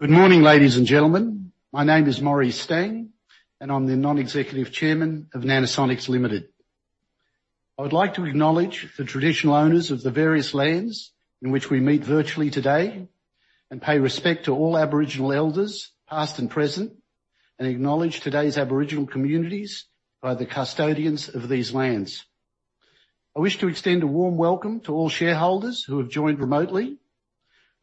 Good morning, ladies and gentlemen. My name is Maurie Stang, and I'm the Non-Executive Chairman of Nanosonics Limited. I would like to acknowledge the traditional owners of the various lands in which we meet virtually today and pay respect to all Aboriginal elders, past and present, and acknowledge today's Aboriginal communities by the custodians of these lands. I wish to extend a warm welcome to all shareholders who have joined remotely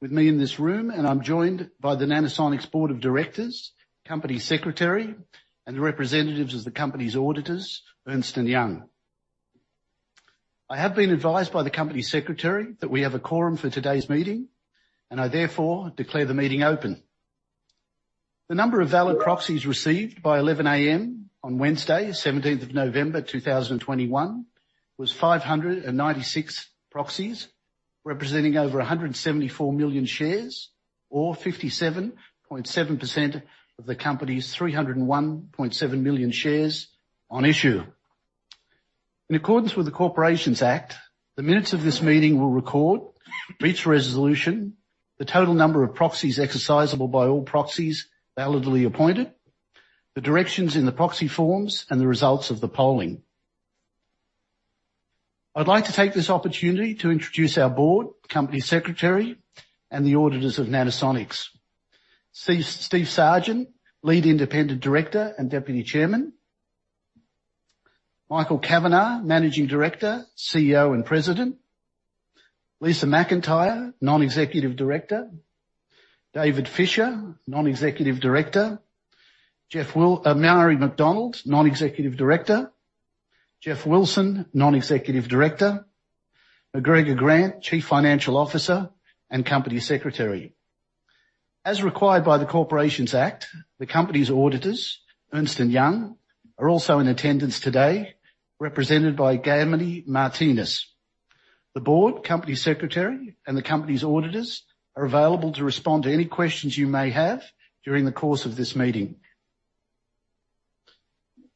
with me in this room, and I'm joined by the Nanosonics Board of Directors, Company Secretary, and the representatives of the company's auditors, Ernst & Young. I have been advised by the Company Secretary that we have a quorum for today's meeting, and I therefore declare the meeting open. The number of valid proxies received by 11:00 A.M. on Wednesday, November 17th, 2021, was 596 proxies, representing over 174 million shares, or 57.7% of the company's 301.7 million shares on issue. In accordance with the Corporations Act, the minutes of this meeting will record each resolution, the total number of proxies exercisable by all proxies validly appointed, the directions in the proxy forms, and the results of the polling. I'd like to take this opportunity to introduce our board, company secretary, and the auditors of Nanosonics. Steven Sargent, Lead Independent Director and Deputy Chairman. Michael Kavanagh, Managing Director, CEO, and President. Lisa McIntyre, Non-Executive Director. David Fisher, Non-Executive Director. Marie McDonald, Non-Executive Director. Geoff Wilson, Non-Executive Director. McGregor Grant, Chief Financial Officer and Company Secretary. As required by the Corporations Act, the company's auditors, Ernst & Young, are also in attendance today, represented by Gamini Martinus. The board, company secretary, and the company's auditors are available to respond to any questions you may have during the course of this meeting.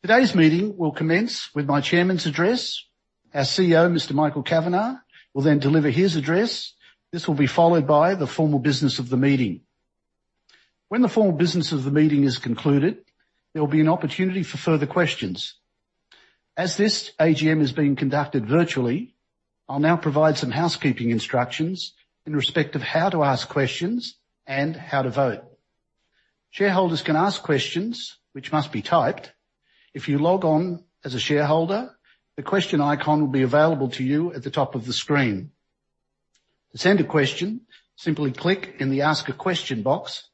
Today's meeting will commence with my chairman's address. Our CEO, Mr. Michael Kavanagh, will then deliver his address. This will be followed by the formal business of the meeting. When the formal business of the meeting is concluded, there will be an opportunity for further questions. As this AGM is being conducted virtually, I'll now provide some housekeeping instructions in respect of how to ask questions and how to vote. Shareholders can ask questions which must be typed. If you log on as a shareholder, the question icon will be available to you at the top of the screen. To send a question, simply click in the Ask a question box,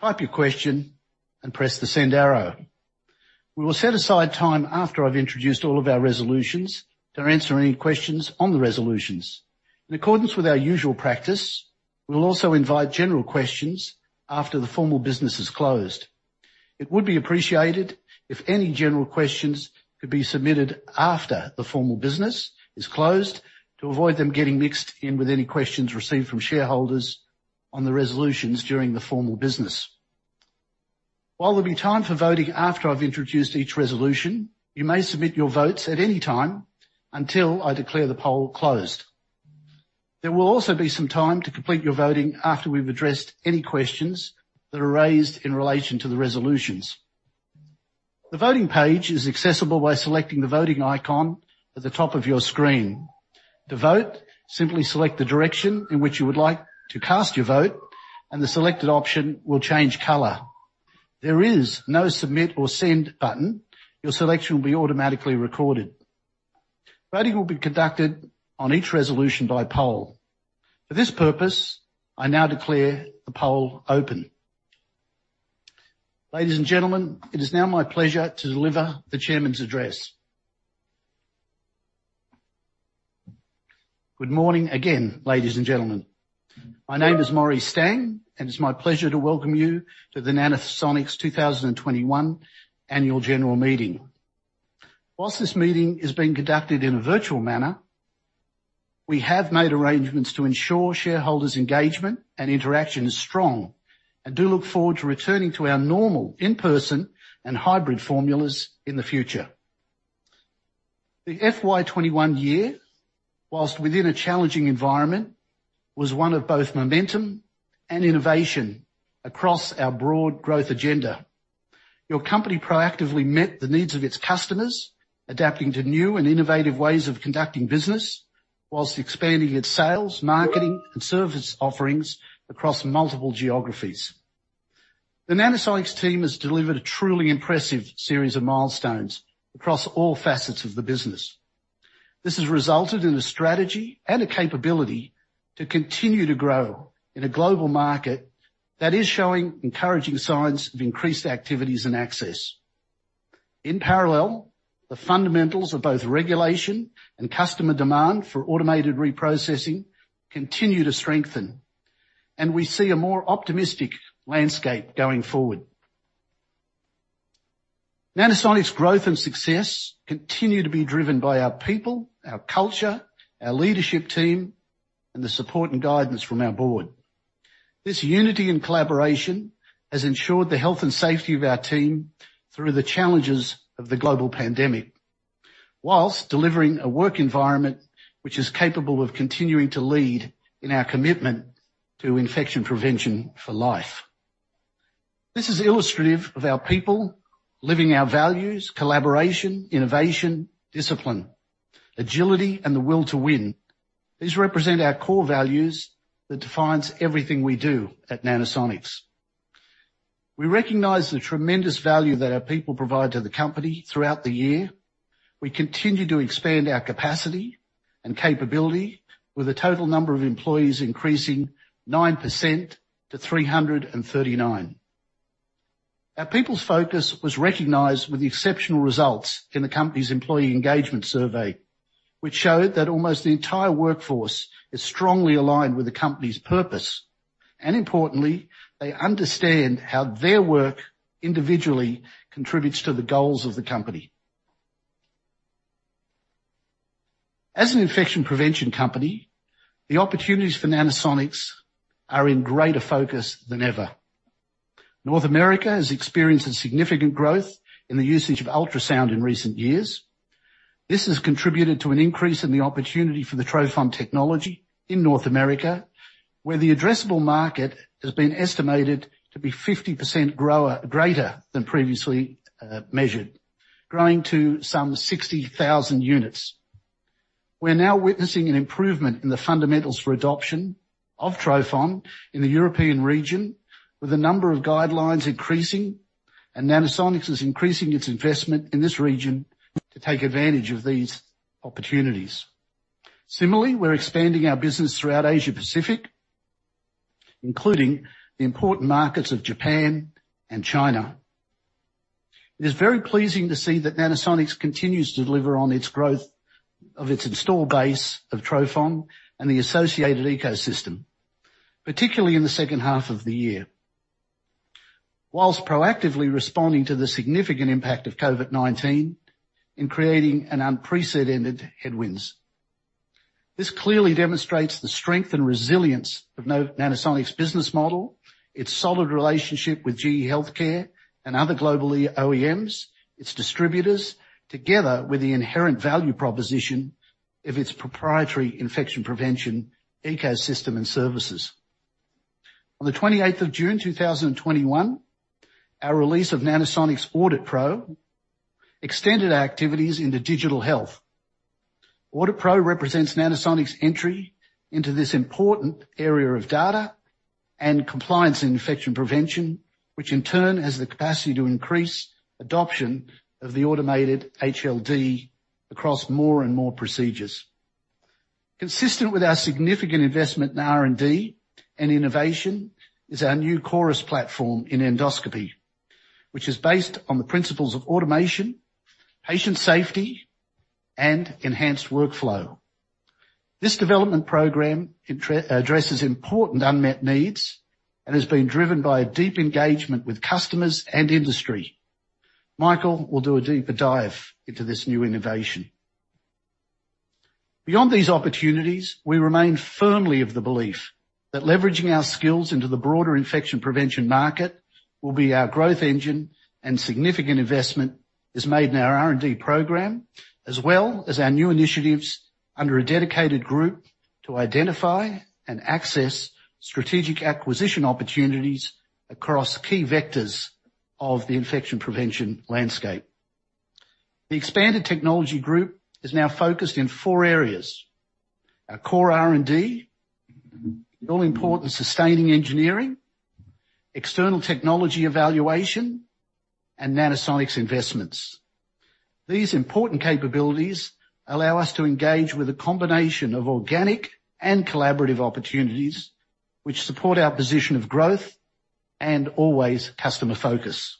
type your question, and press the send arrow. We will set aside time after I've introduced all of our resolutions to answer any questions on the resolutions. In accordance with our usual practice, we will also invite general questions after the formal business is closed. It would be appreciated if any general questions could be submitted after the formal business is closed to avoid them getting mixed in with any questions received from shareholders on the resolutions during the formal business. While there'll be time for voting after I've introduced each resolution, you may submit your votes at any time until I declare the poll closed. There will also be some time to complete your voting after we've addressed any questions that are raised in relation to the resolutions. The voting page is accessible by selecting the voting icon at the top of your screen. To vote, simply select the direction in which you would like to cast your vote, and the selected option will change color. There is no submit or send button. Your selection will be automatically recorded. Voting will be conducted on each resolution by poll. For this purpose, I now declare the poll open. Ladies and gentlemen, it is now my pleasure to deliver the chairman's address. Good morning again, ladies and gentlemen. My name is Maurie Stang, and it's my pleasure to welcome you to the Nanosonics 2021 Annual General Meeting. While this meeting is being conducted in a virtual manner, we have made arrangements to ensure shareholders' engagement and interaction is strong and do look forward to returning to our normal in-person and hybrid formulas in the future. The FY 2021 year, while within a challenging environment, was one of both momentum and innovation across our broad growth agenda. Your company proactively met the needs of its customers, adapting to new and innovative ways of conducting business while expanding its sales, marketing, and service offerings across multiple geographies. The Nanosonics team has delivered a truly impressive series of milestones across all facets of the business. This has resulted in a strategy and a capability to continue to grow in a global market that is showing encouraging signs of increased activities and access. In parallel, the fundamentals of both regulation and customer demand for automated reprocessing continue to strengthen, and we see a more optimistic landscape going forward. Nanosonics' growth and success continue to be driven by our people, our culture, our leadership team and the support and guidance from our board. This unity and collaboration has ensured the health and safety of our team through the challenges of the global pandemic, while delivering a work environment which is capable of continuing to lead in our commitment to infection prevention for life. This is illustrative of our people living our values, collaboration, innovation, discipline, agility, and the will to win. These represent our core values that defines everything we do at Nanosonics. We recognize the tremendous value that our people provide to the company throughout the year. We continue to expand our capacity and capability with the total number of employees increasing 9% to 339. Our people's focus was recognized with the exceptional results in the company's employee engagement survey, which showed that almost the entire workforce is strongly aligned with the company's purpose, and importantly, they understand how their work individually contributes to the goals of the company. As an infection prevention company, the opportunities for Nanosonics are in greater focus than ever. North America has experienced a significant growth in the usage of ultrasound in recent years. This has contributed to an increase in the opportunity for the trophon technology in North America, where the addressable market has been estimated to be 50% greater than previously measured, growing to some 60,000 units. We're now witnessing an improvement in the fundamentals for adoption of trophon in the European region, with the number of guidelines increasing, and Nanosonics is increasing its investment in this region to take advantage of these opportunities. Similarly, we're expanding our business throughout Asia-Pacific, including the important markets of Japan and China. It is very pleasing to see that Nanosonics continues to deliver on its growth of its install base of trophon and the associated ecosystem, particularly in H2 of the year, while proactively responding to the significant impact of COVID-19 in creating an unprecedented headwinds. This clearly demonstrates the strength and resilience of Nanosonics' business model, its solid relationship with GE HealthCare and other global OEMs, its distributors, together with the inherent value proposition of its proprietary infection prevention ecosystem and services. On the twenty-eighth of June, two thousand and twenty-one, our release of Nanosonics AuditPro extended our activities into digital health. AuditPro represents Nanosonics' entry into this important area of data and compliance in infection prevention, which in turn has the capacity to increase adoption of the automated HLD across more and more procedures. Consistent with our significant investment in R&D and innovation is our new CORIS platform in endoscopy, which is based on the principles of automation, patient safety, and enhanced workflow. This development program addresses important unmet needs and has been driven by a deep engagement with customers and industry. Michael will do a deeper dive into this new innovation. Beyond these opportunities, we remain firmly of the belief that leveraging our skills into the broader infection prevention market will be our growth engine, and significant investment is made in our R&D program, as well as our new initiatives under a dedicated group to identify and access strategic acquisition opportunities across key vectors of the infection prevention landscape. The expanded technology group is now focused in four areas, our core R&D, the all-important sustaining engineering, external technology evaluation, and Nanosonics investments. These important capabilities allow us to engage with a combination of organic and collaborative opportunities which support our position of growth and always customer focus.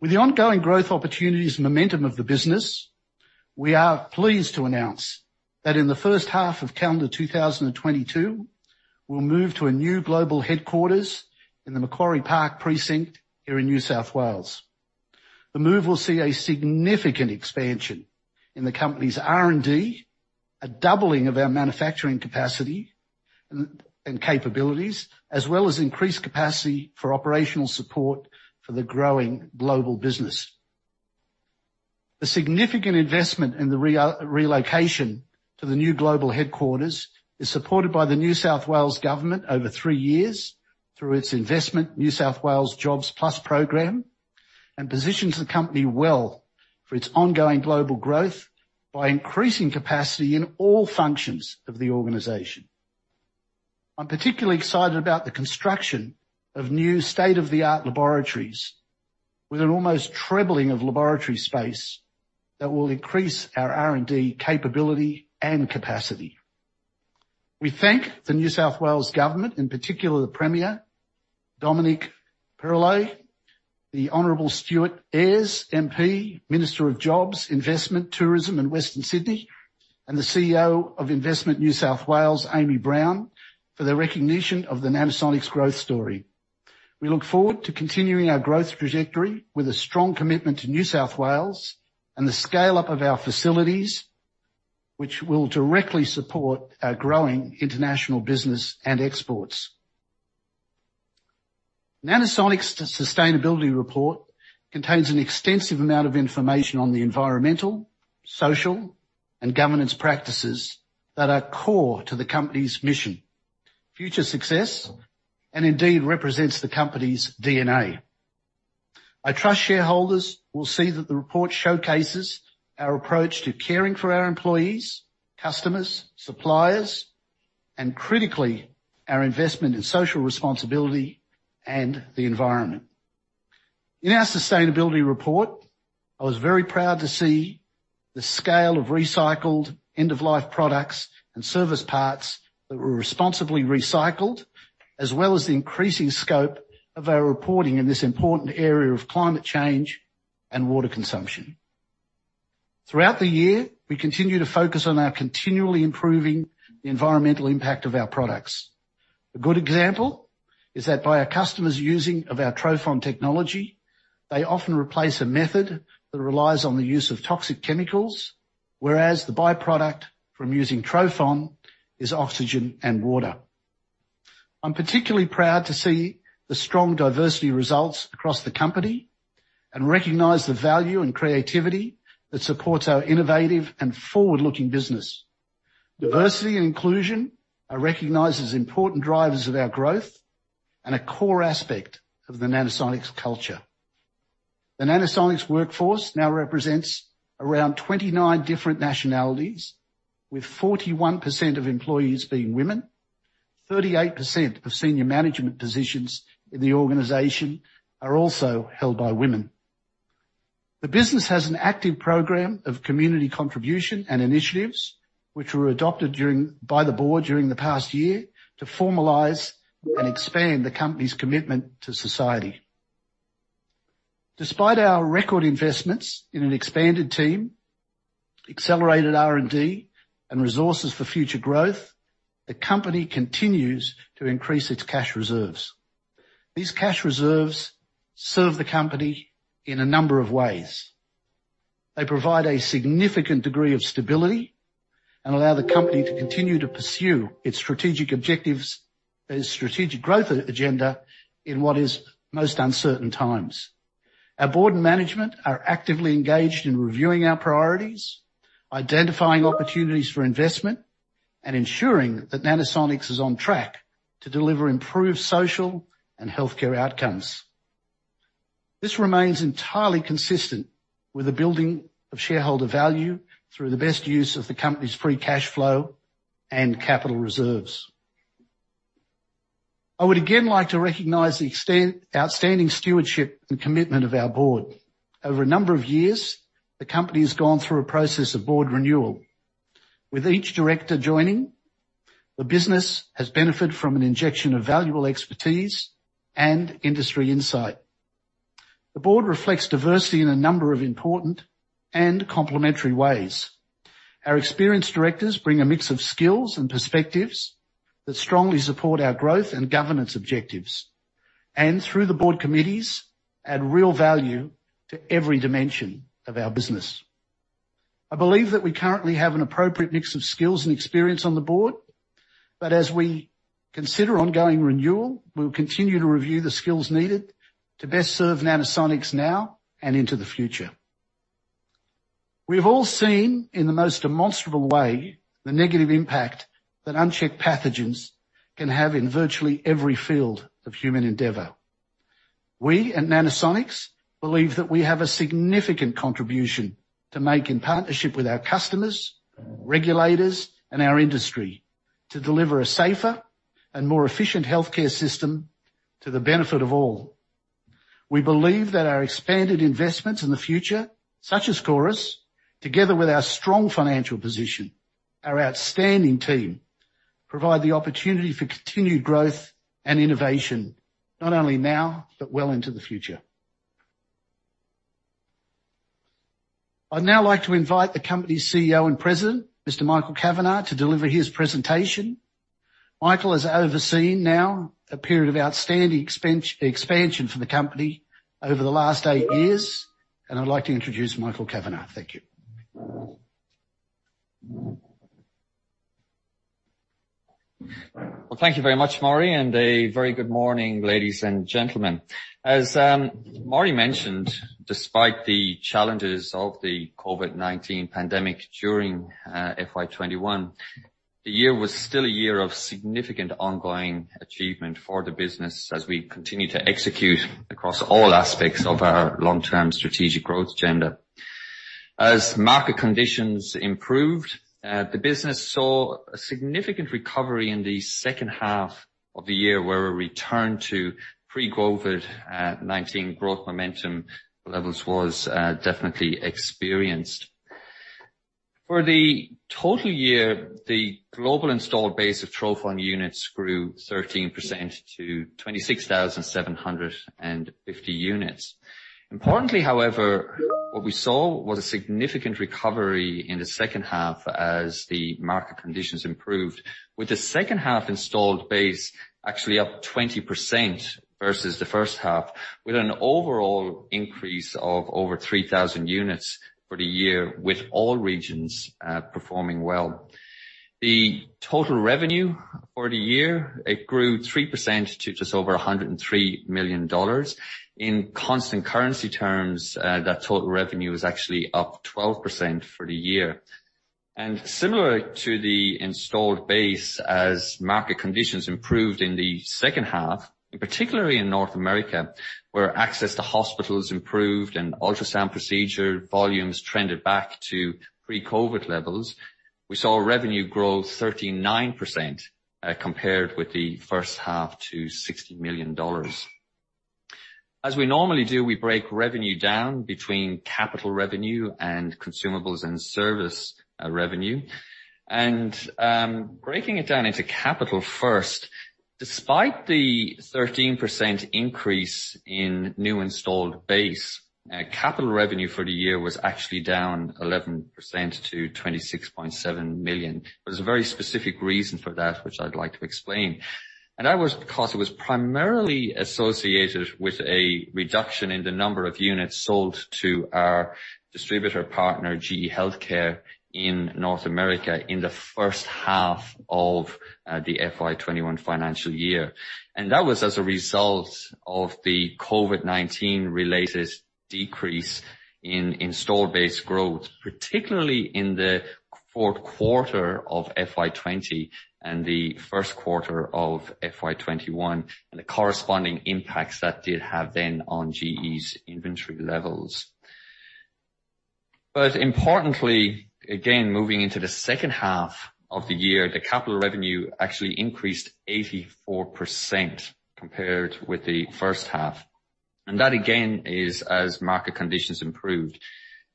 With the ongoing growth opportunities and momentum of the business, we are pleased to announce that in the first half of calendar 2022, we'll move to a new global headquarters in the Macquarie Park precinct here in New South Wales. The move will see a significant expansion in the company's R&D, a doubling of our manufacturing capacity and capabilities, as well as increased capacity for operational support for the growing global business. The significant investment in the relocation to the new global headquarters is supported by the New South Wales Government over three years through its Investment New South Wales Jobs Plus Program, and positions the company well for its ongoing global growth by increasing capacity in all functions of the organization. I'm particularly excited about the construction of new state-of-the-art laboratories with an almost trebling of laboratory space that will increase our R&D capability and capacity. We thank the New South Wales Government, in particular, the Premier, Dominic Perrottet, the Honorable Stuart Ayres, MP, Minister of Jobs, Investment, Tourism and Western Sydney, and the CEO of Investment New South Wales, Amy Brown, for their recognition of the Nanosonics growth story. We look forward to continuing our growth trajectory with a strong commitment to New South Wales and the scale-up of our facilities, which will directly support our growing international business and exports. Nanosonics' sustainability report contains an extensive amount of information on the environmental, social, and governance practices that are core to the company's mission, future success, and indeed represents the company's DNA. I trust shareholders will see that the report showcases our approach to caring for our employees, customers, suppliers, and critically, our investment in social responsibility and the environment. In our sustainability report, I was very proud to see the scale of recycled end-of-life products and service parts that were responsibly recycled, as well as the increasing scope of our reporting in this important area of climate change and water consumption. Throughout the year, we continued to focus on continually improving the environmental impact of our products. A good example is that by our customers' use of our trophon technology, they often replace a method that relies on the use of toxic chemicals, whereas the by-product from using trophon is oxygen and water. I'm particularly proud to see the strong diversity results across the company and recognize the value and creativity that supports our innovative and forward-looking business. Diversity and inclusion are recognized as important drivers of our growth and a core aspect of the Nanosonics culture. The Nanosonics workforce now represents around 29 different nationalities, with 41% of employees being women. 38% of senior management positions in the organization are also held by women. The business has an active program of community contribution and initiatives which were adopted by the board during the past year to formalize and expand the company's commitment to society. Despite our record investments in an expanded team, accelerated R&D, and resources for future growth, the company continues to increase its cash reserves. These cash reserves serve the company in a number of ways. They provide a significant degree of stability and allow the company to continue to pursue its strategic objectives, its strategic growth agenda in what is most uncertain times. Our board and management are actively engaged in reviewing our priorities, identifying opportunities for investment, and ensuring that Nanosonics is on track to deliver improved social and healthcare outcomes. This remains entirely consistent with the building of shareholder value through the best use of the company's free cash flow and capital reserves. I would again like to recognize outstanding stewardship and commitment of our board. Over a number of years, the company has gone through a process of board renewal. With each director joining, the business has benefited from an injection of valuable expertise and industry insight. The board reflects diversity in a number of important and complementary ways. Our experienced directors bring a mix of skills and perspectives that strongly support our growth and governance objectives, and through the board committees, add real value to every dimension of our business. I believe that we currently have an appropriate mix of skills and experience on the board, but as we consider ongoing renewal, we'll continue to review the skills needed to best serve Nanosonics now and into the future. We've all seen, in the most demonstrable way, the negative impact that unchecked pathogens can have in virtually every field of human endeavor. We at Nanosonics believe that we have a significant contribution to make in partnership with our customers, regulators, and our industry to deliver a safer and more efficient healthcare system to the benefit of all. We believe that our expanded investments in the future, such as CORIS, together with our strong financial position, our outstanding team, provide the opportunity for continued growth and innovation, not only now, but well into the future. I'd now like to invite the company's CEO and President, Mr. Michael Kavanagh, to deliver his presentation. Michael has overseen now a period of outstanding expansion for the company over the last eight years, and I'd like to introduce Michael Kavanagh. Thank you. Well, thank you very much, Maurie, and a very good morning, ladies and gentlemen. As Maurie mentioned, despite the challenges of the COVID-19 pandemic during FY 2021, the year was still a year of significant ongoing achievement for the business as we continue to execute across all aspects of our long-term strategic growth agenda. As market conditions improved, the business saw a significant recovery in the second half of the year, where a return to pre-COVID-19 growth momentum levels was definitely experienced. For the total year, the global installed base of trophon units grew 13% to 26,750 units. Importantly, however, what we saw was a significant recovery in the second half as the market conditions improved. With the second half installed base actually up 20% versus the first half, with an overall increase of over 3,000 units for the year, with all regions performing well. The total revenue for the year, it grew 3% to just over 103 million dollars. In constant currency terms, that total revenue is actually up 12% for the year. Similar to the installed base as market conditions improved in the second half, and particularly in North America, where access to hospitals improved and ultrasound procedure volumes trended back to pre-COVID levels. We saw revenue grow 39% compared with the first half to 60 million dollars. As we normally do, we break revenue down between capital revenue and consumables and service revenue. Breaking it down into capital first, despite the 13% increase in new installed base, capital revenue for the year was actually down 11% to 26.7 million. There's a very specific reason for that, which I'd like to explain. That was because it was primarily associated with a reduction in the number of units sold to our distributor partner, GE HealthCare, in North America in the first half of the FY 2021 financial year. That was as a result of the COVID-19 related decrease in installed base growth, particularly in Q4 of FY 2020 and Q1 of FY 2021, and the corresponding impacts that did have then on GE's inventory levels. Importantly, again, moving into H2 of the year, the capital revenue actually increased 84% compared with H1. That again is as market conditions improved.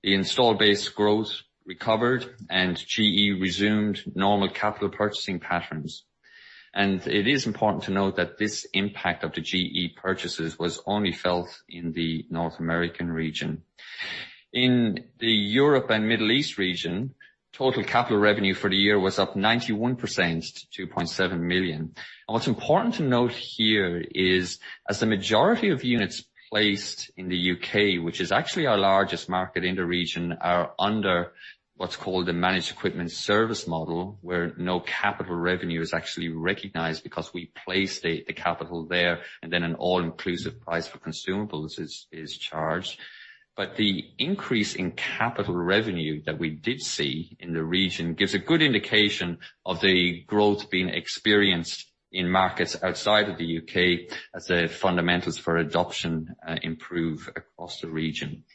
The installed base growth recovered and GE resumed normal capital purchasing patterns. It is important to note that this impact of the GE purchases was only felt in the North American region. In the Europe and Middle East region, total capital revenue for the year was up 91% to 2.7 million. What's important to note here is as the majority of units placed in the U.K., which is actually our largest market in the region, are under what's called a Managed Equipment Service model, where no capital revenue is actually recognized because we place the capital there, and then an all-inclusive price for consumables is charged. The increase in capital revenue that we did see in the region gives a good indication of the growth being experienced in markets outside of the UK as the fundamentals for adoption improve across the region.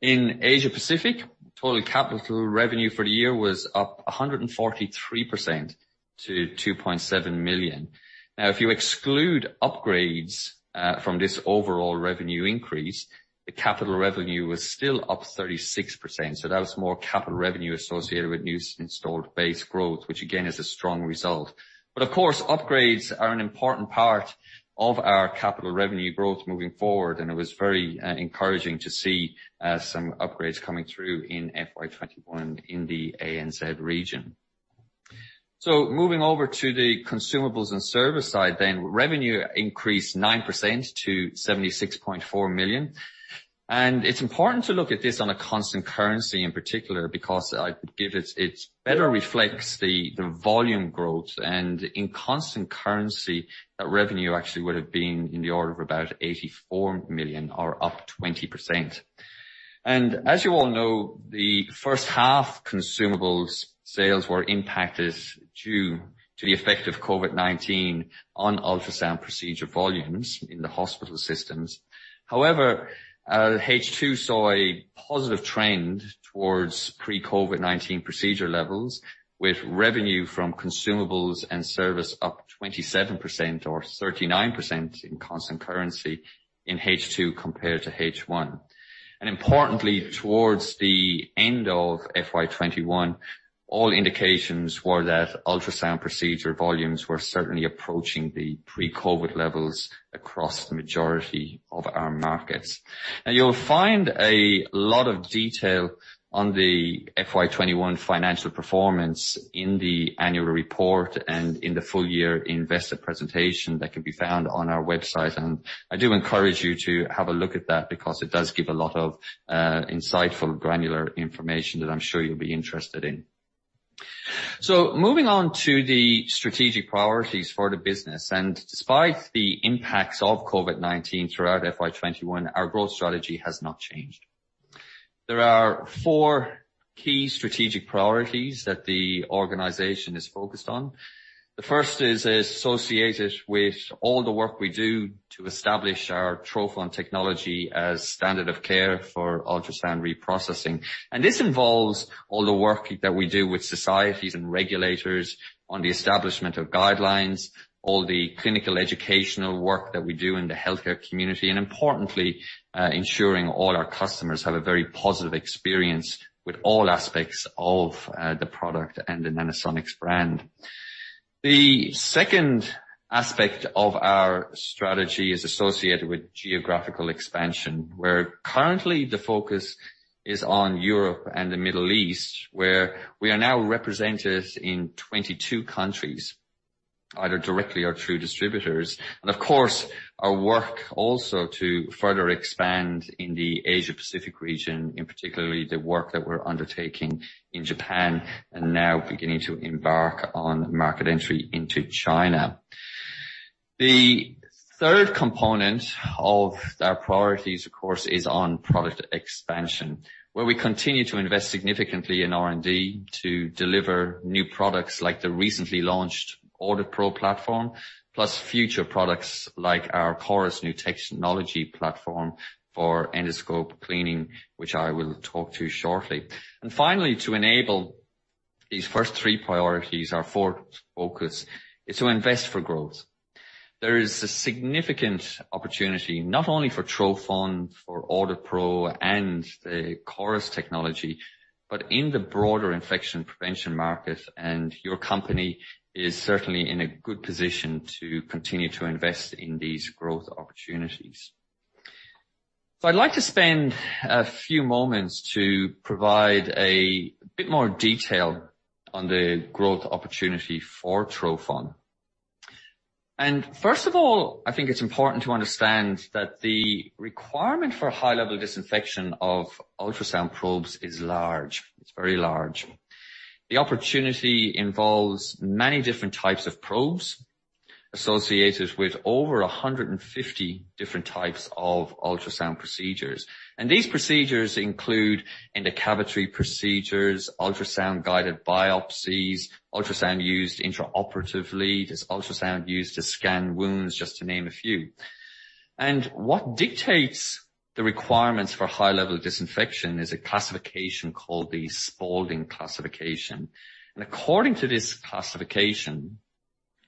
In Asia-Pacific, total capital revenue for the year was up 143% to 2.7 million. Now, if you exclude upgrades from this overall revenue increase, the capital revenue was still up 36%. That was more capital revenue associated with new installed base growth, which again is a strong result. Of course, upgrades are an important part of our capital revenue growth moving forward, and it was very encouraging to see some upgrades coming through in FY 2021 in the ANZ region. Moving over to the consumables and service side then, revenue increased 9% to 76.4 million. It's important to look at this on a constant currency in particular. It better reflects the volume growth and in constant currency, that revenue actually would have been in the order of about 84 million or up 20%. As you all know, H1 consumables sales were impacted due to the effect of COVID-19 on ultrasound procedure volumes in the hospital systems. However, H2 saw a positive trend towards pre-COVID-19 procedure levels with revenue from consumables and service up 27% or 39% in constant currency in H2 compared to H1. Importantly, towards the end of FY 2021, all indications were that ultrasound procedure volumes were certainly approaching the pre-COVID levels across the majority of our markets. Now, you'll find a lot of detail on the FY 2021 financial performance in the annual report and in the full year investor presentation that can be found on our website. I do encourage you to have a look at that because it does give a lot of insightful granular information that I'm sure you'll be interested in. Moving on to the strategic priorities for the business. Despite the impacts of COVID-19 throughout FY 2021, our growth strategy has not changed. There are four key strategic priorities that the organization is focused on. The first is associated with all the work we do to establish our trophon technology as standard of care for ultrasound reprocessing. This involves all the work that we do with societies and regulators on the establishment of guidelines, all the clinical educational work that we do in the healthcare community, and importantly, ensuring all our customers have a very positive experience with all aspects of the product and the Nanosonics brand. The second aspect of our strategy is associated with geographical expansion. Currently the focus is on Europe and the Middle East, where we are now represented in 22 countries, either directly or through distributors. Of course, our work also to further expand in the Asia-Pacific region, in particular the work that we're undertaking in Japan and now beginning to embark on market entry into China. The third component of our priorities, of course, is on product expansion, where we continue to invest significantly in R&D to deliver new products like the recently launched AuditPro platform, plus future products like our CORIS new technology platform for endoscope cleaning, which I will talk to shortly. Finally, to enable these first three priorities, our fourth focus is to invest for growth. There is a significant opportunity, not only for trophon, for AuditPro and the CORIS technology, but in the broader infection prevention market, and your company is certainly in a good position to continue to invest in these growth opportunities. I'd like to spend a few moments to provide a bit more detail on the growth opportunity for trophon. First of all, I think it's important to understand that the requirement for high-level disinfection of ultrasound probes is large. It's very large. The opportunity involves many different types of probes associated with over 150 different types of ultrasound procedures. These procedures include endocavitary procedures, ultrasound-guided biopsies, ultrasound used intraoperatively. There's ultrasound used to scan wounds, just to name a few. What dictates the requirements for high-level disinfection is a classification called the Spaulding Classification. According to this classification,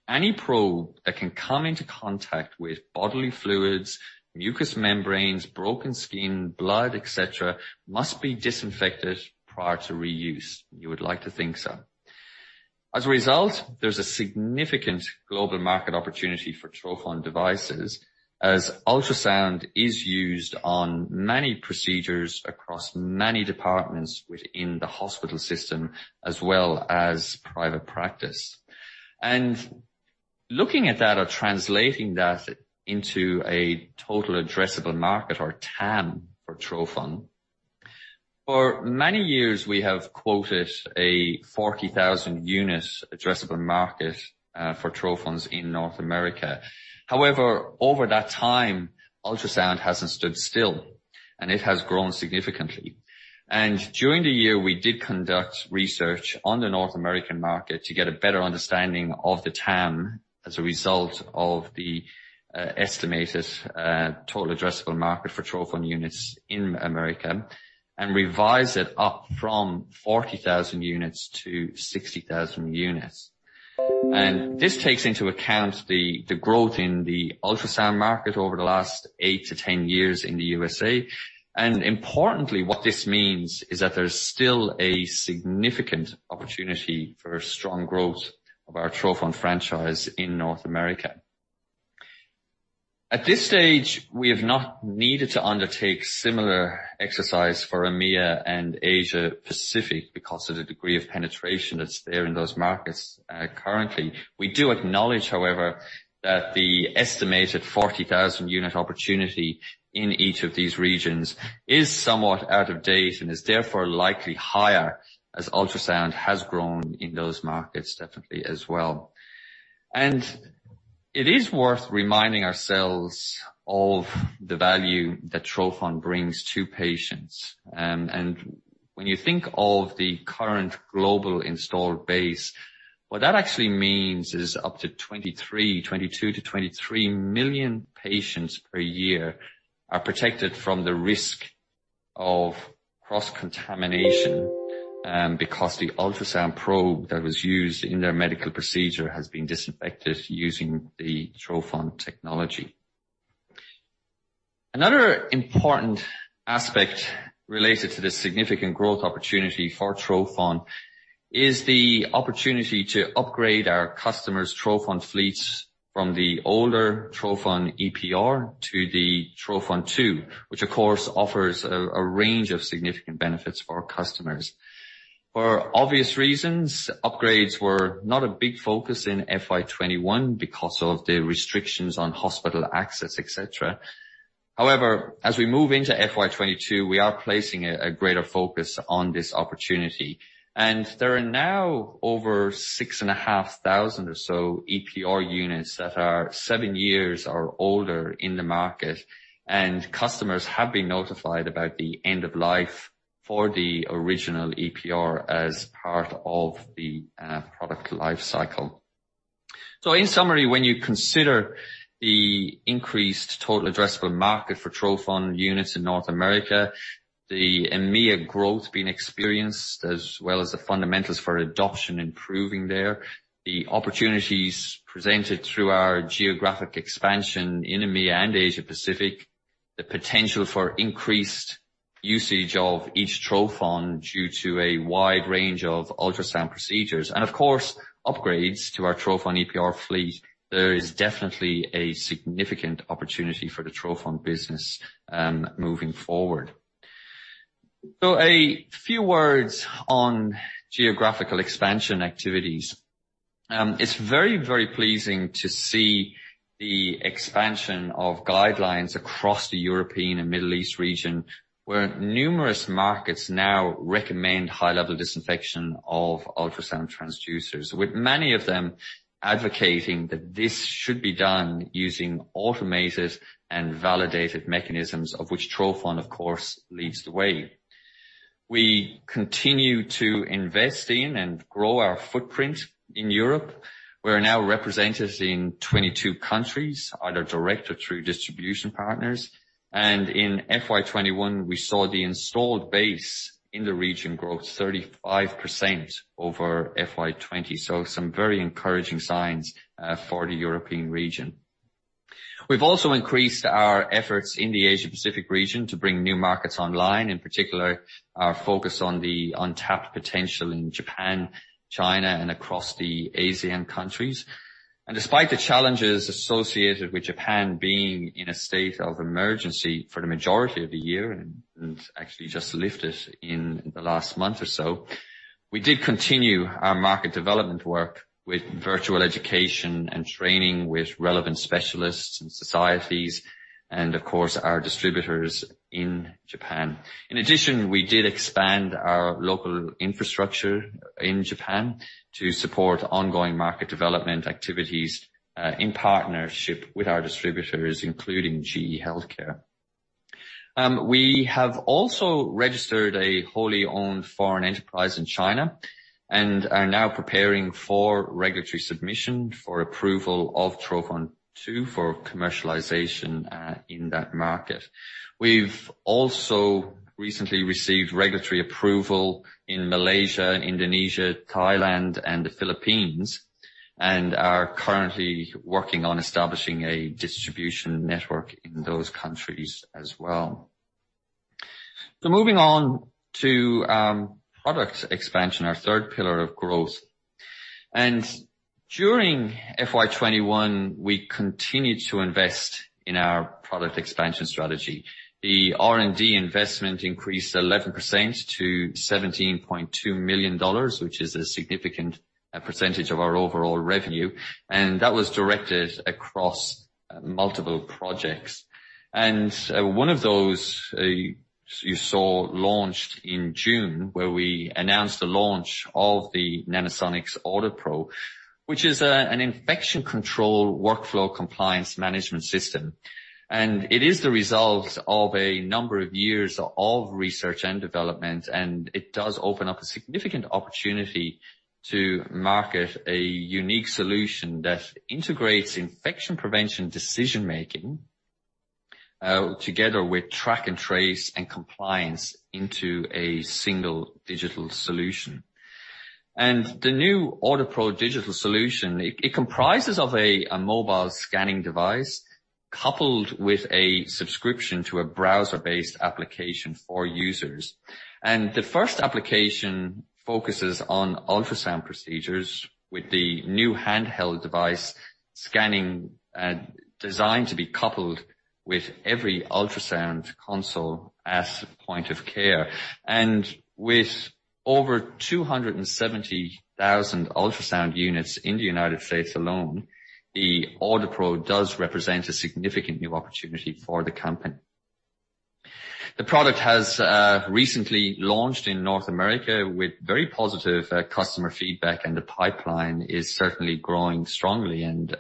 any probe that can come into contact with bodily fluids, mucus membranes, broken skin, blood, etc., must be disinfected prior to reuse. You would like to think so. As a result, there's a significant global market opportunity for trophon devices as ultrasound is used on many procedures across many departments within the hospital system as well as private practice. Looking at that or translating that into a total addressable market or TAM for trophon. For many years, we have quoted a 40,000-unit addressable market for trophon in North America. However, over that time, ultrasound hasn't stood still, and it has grown significantly. During the year, we did conduct research on the North American market to get a better understanding of the TAM as a result of the estimated total addressable market for trophon units in America and revised it up from 40,000 units to 60,000 units. This takes into account the growth in the ultrasound market over the last 8-10 years in the USA. Importantly, what this means is that there's still a significant opportunity for strong growth of our trophon franchise in North America. At this stage, we have not needed to undertake similar exercise for EMEA and Asia-Pacific because of the degree of penetration that's there in those markets, currently. We do acknowledge, however, that the estimated 40,000 unit opportunity in each of these regions is somewhat out of date and is therefore likely higher as ultrasound has grown in those markets definitely as well. It is worth reminding ourselves of the value that trophon brings to patients. When you think of the current global installed base, what that actually means is up to 22-23 million patients per year are protected from the risk of cross-contamination, because the ultrasound probe that was used in their medical procedure has been disinfected using the trophon technology. Another important aspect related to this significant growth opportunity for trophon is the opportunity to upgrade our customers' trophon fleets from the older trophon EPR to the trophon2, which of course offers a range of significant benefits for our customers. For obvious reasons, upgrades were not a big focus in FY 2021 because of the restrictions on hospital access, etc. However, as we move into FY 2022, we are placing a greater focus on this opportunity. There are now over 6,500 or so EPR units that are 7 years or older in the market, and customers have been notified about the end of life for the original EPR as part of the product life cycle. In summary, when you consider the increased total addressable market for trophon units in North America, the EMEA growth being experienced as well as the fundamentals for adoption improving there, the opportunities presented through our geographic expansion in EMEA and Asia-Pacific, the potential for increased usage of each trophon due to a wide range of ultrasound procedures, and of course, upgrades to our trophon EPR fleet, there is definitely a significant opportunity for the trophon business, moving forward. A few words on geographical expansion activities. It's very, very pleasing to see the expansion of guidelines across the European and Middle East region, where numerous markets now recommend high-level disinfection of ultrasound transducers, with many of them advocating that this should be done using automated and validated mechanisms of which trophon, of course, leads the way. We continue to invest in and grow our footprint in Europe. We are now represented in 22 countries, either direct or through distribution partners. In FY 2021, we saw the installed base in the region grow 35% over FY 2020. Some very encouraging signs for the European region. We've also increased our efforts in the Asia-Pacific region to bring new markets online, in particular, our focus on the untapped potential in Japan, China, and across the ASEAN countries. Despite the challenges associated with Japan being in a state of emergency for the majority of the year and actually just lifted in the last month or so, we did continue our market development work with virtual education and training with relevant specialists and societies, and of course, our distributors in Japan. In addition, we did expand our local infrastructure in Japan to support ongoing market development activities in partnership with our distributors, including GE HealthCare. We have also registered a wholly owned foreign enterprise in China and are now preparing for regulatory submission for approval of trophon2 for commercialization in that market. We've also recently received regulatory approval in Malaysia, Indonesia, Thailand, and the Philippines, and are currently working on establishing a distribution network in those countries as well. Moving on to product expansion, our third pillar of growth. During FY 2021, we continued to invest in our product expansion strategy. The R&D investment increased 11% to 17.2 million dollars, which is a significant percentage of our overall revenue, and that was directed across multiple projects. One of those you saw launched in June, where we announced the launch of the Nanosonics AuditPro, which is an infection control workflow compliance management system. It is the result of a number of years of research and development, and it does open up a significant opportunity to market a unique solution that integrates infection prevention decision-making, together with track and trace and compliance into a single digital solution. The new AuditPro digital solution, it comprises of a mobile scanning device coupled with a subscription to a browser-based application for users. The first application focuses on ultrasound procedures with the new handheld device scanning, designed to be coupled with every ultrasound console as point of care. With over 270,000 ultrasound units in the United States alone, the AuditPro does represent a significant new opportunity for the company. The product has recently launched in North America with very positive customer feedback, and the pipeline is certainly growing strongly. In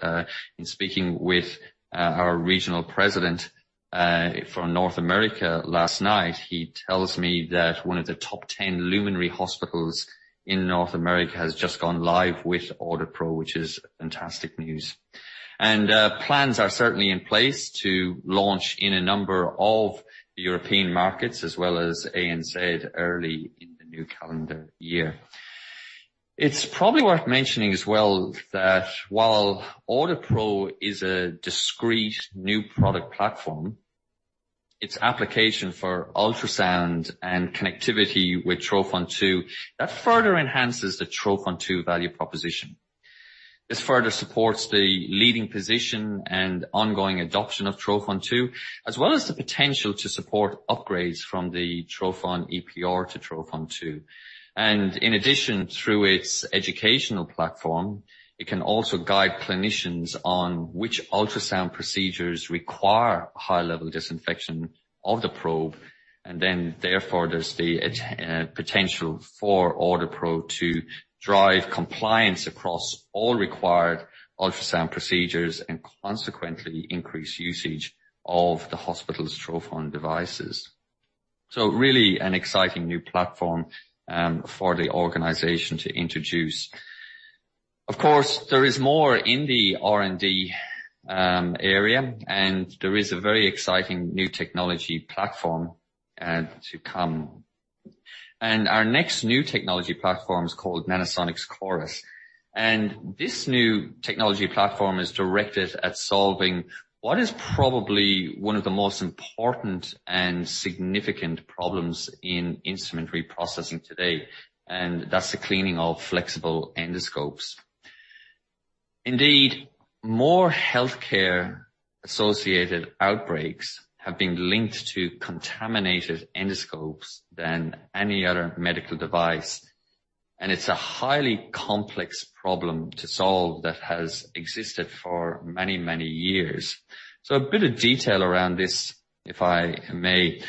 speaking with our regional president from North America last night, he tells me that one of the top ten luminary hospitals in North America has just gone live with AuditPro, which is fantastic news. Plans are certainly in place to launch in a number of the European markets as well as ANZ early in the new calendar year. It's probably worth mentioning as well that while AuditPro is a discrete new product platform, its application for ultrasound and connectivity with trophon2, that further enhances the trophon2 value proposition. This further supports the leading position and ongoing adoption of trophon2, as well as the potential to support upgrades from the trophon EPR to trophon2. In addition, through its educational platform, it can also guide clinicians on which ultrasound procedures require high-level disinfection of the probe, and then therefore, there's the potential for AuditPro to drive compliance across all required ultrasound procedures and consequently increase usage of the hospital's trophon devices. Really an exciting new platform for the organization to introduce. Of course, there is more in the R&D area, and there is a very exciting new technology platform to come. Our next new technology platform is called Nanosonics CORIS. This new technology platform is directed at solving what is probably one of the most important and significant problems in instrument reprocessing today, and that's the cleaning of flexible endoscopes. Indeed, more healthcare-associated outbreaks have been linked to contaminated endoscopes than any other medical device. It's a highly complex problem to solve that has existed for many, many years. A bit of detail around this, if I may.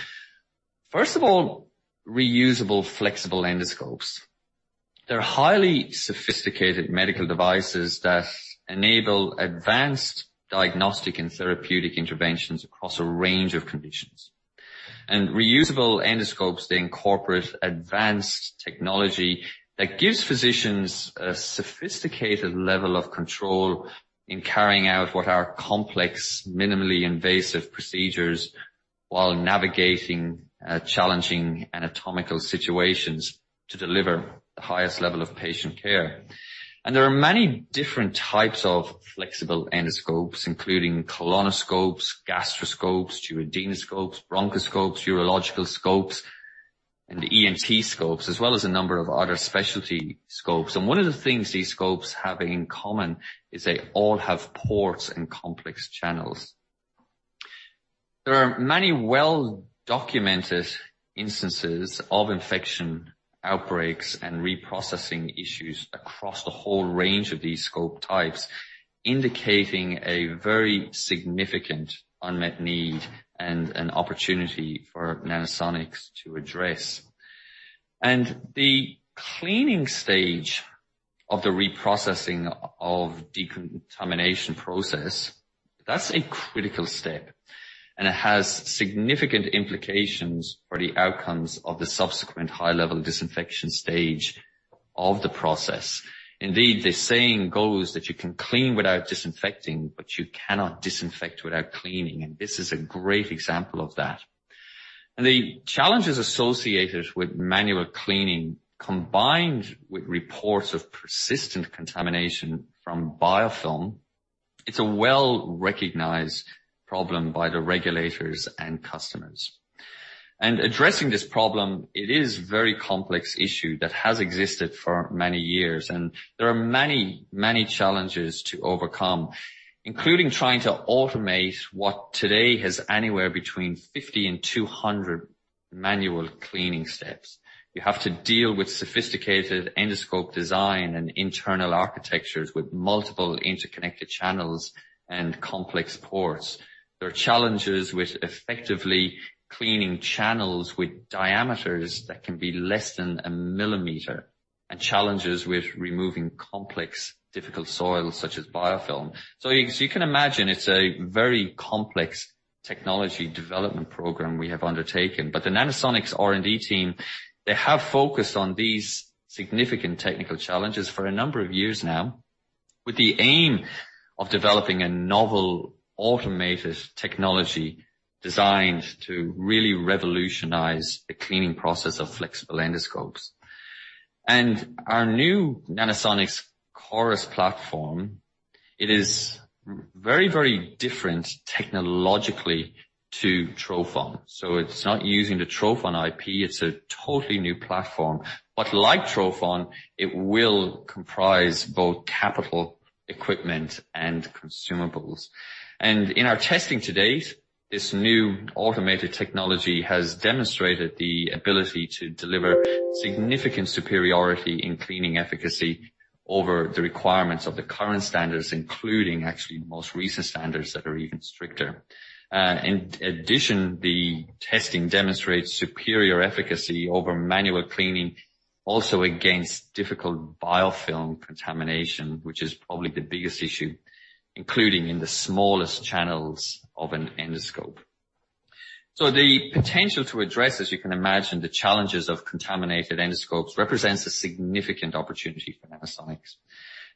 First of all, reusable flexible endoscopes. They're highly sophisticated medical devices that enable advanced diagnostic and therapeutic interventions across a range of conditions. Reusable endoscopes, they incorporate advanced technology that gives physicians a sophisticated level of control in carrying out what are complex, minimally invasive procedures while navigating challenging anatomical situations to deliver the highest level of patient care. There are many different types of flexible endoscopes, including colonoscopes, gastroscopes, duodenoscopes, bronchoscopes, urological scopes, and ENT scopes, as well as a number of other specialty scopes. One of the things these scopes have in common is they all have ports and complex channels. There are many well-documented instances of infection outbreaks and reprocessing issues across the whole range of these scope types, indicating a very significant unmet need and an opportunity for Nanosonics to address. The cleaning stage of the reprocessing of decontamination process, that's a critical step, and it has significant implications for the outcomes of the subsequent high-level disinfection stage of the process. Indeed, the saying goes that you can clean without disinfecting, but you cannot disinfect without cleaning. This is a great example of that. The challenges associated with manual cleaning, combined with reports of persistent contamination from biofilm, it's a well-recognized problem by the regulators and customers. Addressing this problem, it is a very complex issue that has existed for many years. There are many challenges to overcome, including trying to automate what today has anywhere between 50 and 200 manual cleaning steps. You have to deal with sophisticated endoscope design and internal architectures with multiple interconnected channels and complex ports. There are challenges with effectively cleaning channels with diameters that can be less than a millimeter, and challenges with removing complex, difficult soils such as biofilm. You can imagine it's a very complex technology development program we have undertaken. The Nanosonics R&D team, they have focused on these significant technical challenges for a number of years now, with the aim of developing a novel automated technology designed to really revolutionize the cleaning process of flexible endoscopes. Our new Nanosonics CORIS platform, it is very, very different technologically to trophon. It's not using the trophon IP. It's a totally new platform. Like trophon, it will comprise both capital equipment and consumables. In our testing to date, this new automated technology has demonstrated the ability to deliver significant superiority in cleaning efficacy over the requirements of the current standards, including actually the most recent standards that are even stricter. In addition, the testing demonstrates superior efficacy over manual cleaning, also against difficult biofilm contamination, which is probably the biggest issue, including in the smallest channels of an endoscope. The potential to address, as you can imagine, the challenges of contaminated endoscopes represents a significant opportunity for Nanosonics.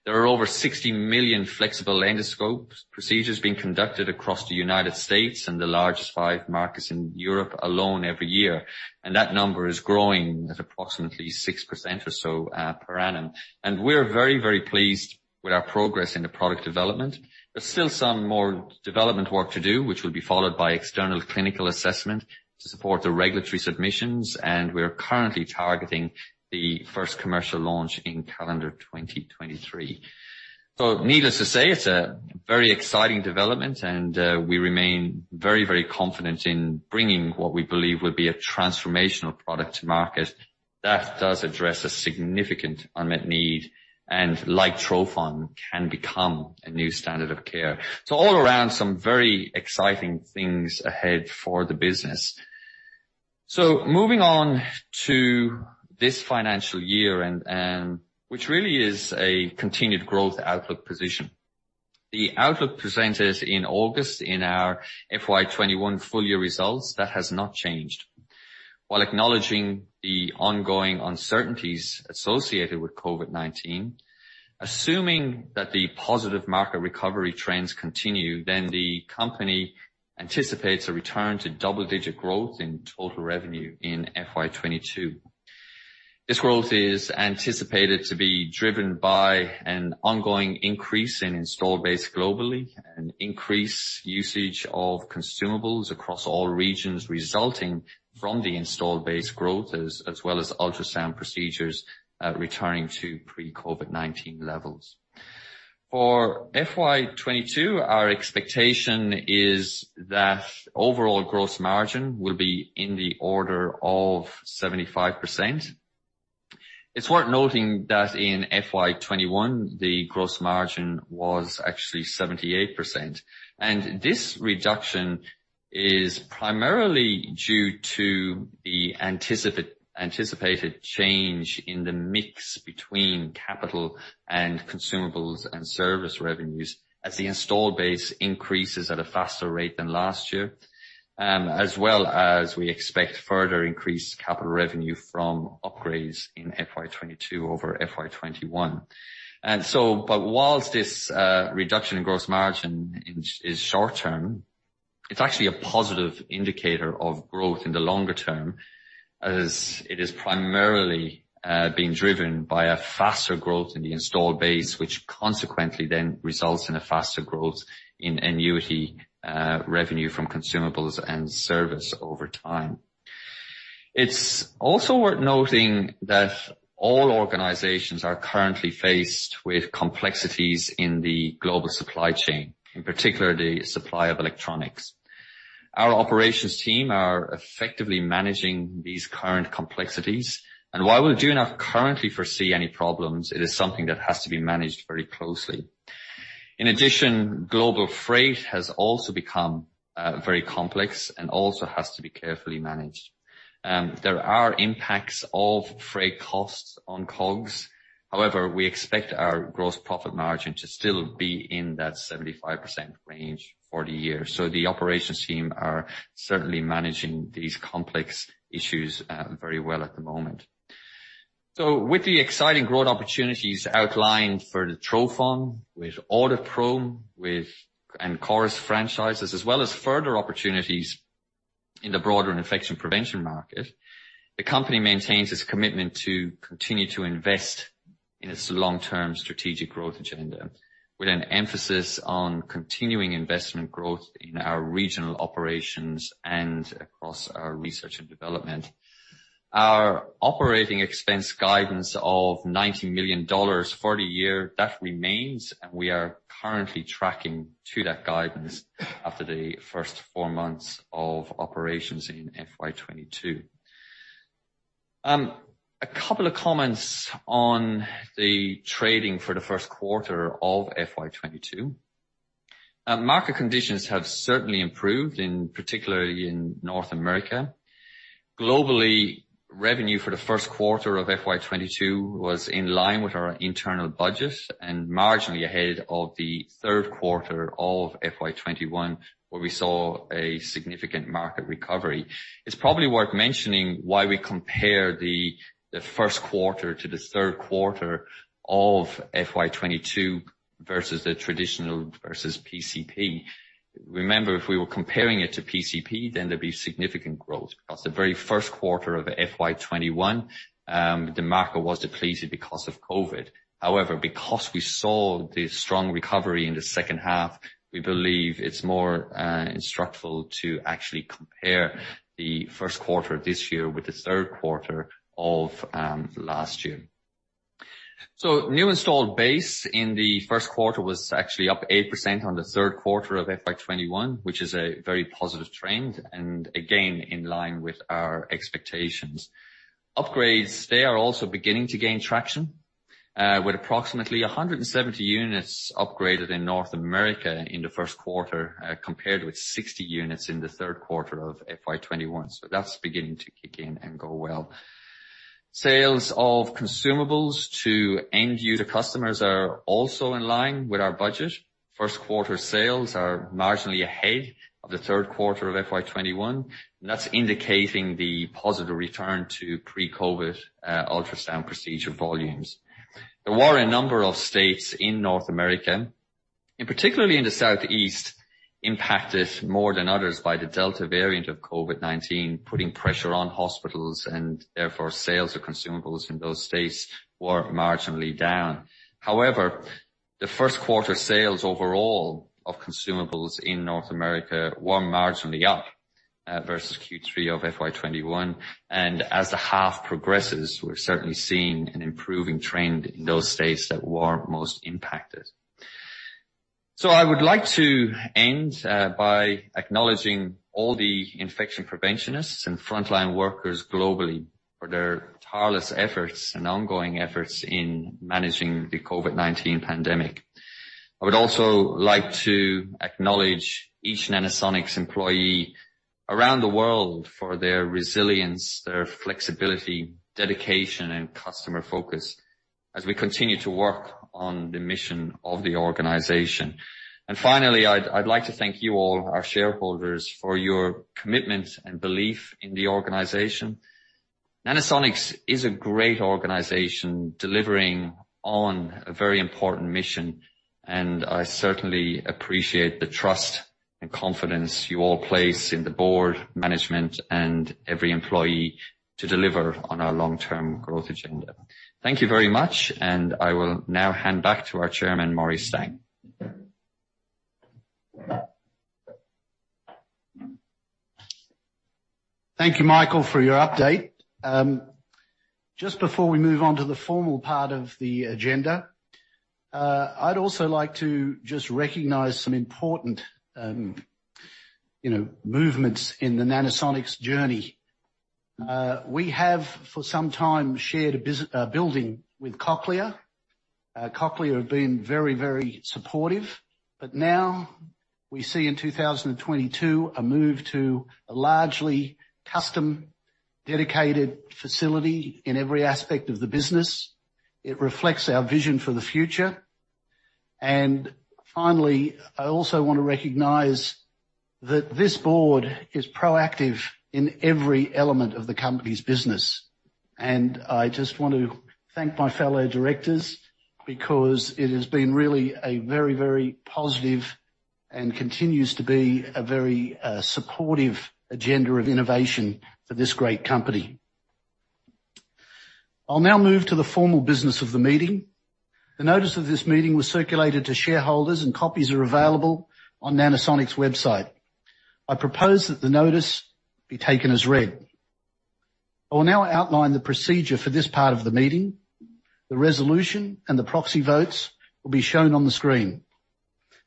There are over 60 million flexible endoscope procedures being conducted across the United States and the largest five markets in Europe alone every year, and that number is growing at approximately 6% or so per annum. We're very, very pleased with our progress in the product development. There's still some more development work to do, which will be followed by external clinical assessment to support the regulatory submissions. We are currently targeting the first commercial launch in calendar 2023. Needless to say, it's a very exciting development, and, we remain very, very confident in bringing what we believe will be a transformational product to market that does address a significant unmet need, and like trophon, can become a new standard of care. All around, some very exciting things ahead for the business. Moving on to this financial year and which really is a continued growth outlook position. The outlook presented in August in our FY 2021 full year results, that has not changed. While acknowledging the ongoing uncertainties associated with COVID-19, assuming that the positive market recovery trends continue, the company anticipates a return to double-digit growth in total revenue in FY 2022. This growth is anticipated to be driven by an ongoing increase in install base globally and increased usage of consumables across all regions resulting from the installed base growth, as well as ultrasound procedures returning to pre-COVID-19 levels. For FY 2022, our expectation is that overall gross margin will be in the order of 75%. It's worth noting that in FY 2021, the gross margin was actually 78%. This reduction is primarily due to the anticipated change in the mix between capital and consumables and service revenues as the installed base increases at a faster rate than last year. We expect further increased capital revenue from upgrades in FY 2022 over FY 2021. While this reduction in gross margin is short-term, it's actually a positive indicator of growth in the longer term, as it is primarily being driven by a faster growth in the installed base, which consequently then results in a faster growth in annuity revenue from consumables and service over time. It's also worth noting that all organizations are currently faced with complexities in the global supply chain, in particular the supply of electronics. Our operations team are effectively managing these current complexities, and while we do not currently foresee any problems, it is something that has to be managed very closely. In addition, global freight has also become very complex and also has to be carefully managed. There are impacts of freight costs on COGS. However, we expect our gross profit margin to still be in that 75% range for the year. The operations team are certainly managing these complex issues very well at the moment. With the exciting growth opportunities outlined for the trophon, with Audit Pro and CORIS franchises, as well as further opportunities in the broader infection prevention market, the company maintains its commitment to continue to invest in its long-term strategic growth agenda, with an emphasis on continuing investment growth in our regional operations and across our research and development. Our operating expense guidance of 90 million dollars for the year remains, and we are currently tracking to that guidance after the first four months of operations in FY 2022. A couple of comments on the trading for Q1 of FY 2022. Market conditions have certainly improved, in particular in North America. Globally, revenue for Q1 of FY 2022 was in line with our internal budget and marginally ahead of Q3 of FY 2021, where we saw a significant market recovery. It's probably worth mentioning why we compare Q1 to Q3 of FY 2022 versus the traditional versus PCP. Remember, if we were comparing it to PCP, then there'd be significant growth. Because the very Q1 of FY 2021, the market was depleted because of COVID. However, because we saw the strong recovery in H2, we believe it's more instructive to actually compare Q1 this year with Q3 of last year. New installed base in Q1 was actually up 8% on Q3 of FY 2021, which is a very positive trend, and again, in line with our expectations. Upgrades, they are also beginning to gain traction, with approximately 170 units upgraded in North America in Q1, compared with 60 units in Q3 of FY 2021. That's beginning to kick in and go well. Sales of consumables to end user customers are also in line with our budget. Q1 sales are marginally ahead of Q3 of FY 2021, and that's indicating the positive return to pre-COVID ultrasound procedure volumes. There were a number of states in North America, and particularly in the Southeast, impacted more than others by the Delta variant of COVID-19, putting pressure on hospitals, and therefore, sales of consumables in those states were marginally down. However, Q1 sales overall of consumables in North America were marginally up, versus Q3 of FY 2021. As the half progresses, we're certainly seeing an improving trend in those states that were most impacted. I would like to end by acknowledging all the infection preventionists and frontline workers globally for their tireless efforts and ongoing efforts in managing the COVID-19 pandemic. I would also like to acknowledge each Nanosonics employee around the world for their resilience, their flexibility, dedication, and customer focus as we continue to work on the mission of the organization. Finally, I'd like to thank you all, our shareholders, for your commitment and belief in the organization. Nanosonics is a great organization delivering on a very important mission, and I certainly appreciate the trust and confidence you all place in the board, management, and every employee to deliver on our long-term growth agenda. Thank you very much, and I will now hand back to our chairman, Maurie Stang. Thank you, Michael, for your update. Just before we move on to the formal part of the agenda, I'd also like to just recognize some important, movements in the Nanosonics journey. We have for some time shared a building with Cochlear. Cochlear have been very supportive. Now, we see in 2022, a move to a largely custom dedicated facility in every aspect of the business. It reflects our vision for the future. Finally, I also want to recognize that this board is proactive in every element of the company's business. I just want to thank my fellow directors because it has been really a very positive and continues to be a very supportive agenda of innovation for this great company. I'll now move to the formal business of the meeting. The notice of this meeting was circulated to shareholders, and copies are available on Nanosonics' website. I propose that the notice be taken as read. I will now outline the procedure for this part of the meeting. The resolution and the proxy votes will be shown on the screen.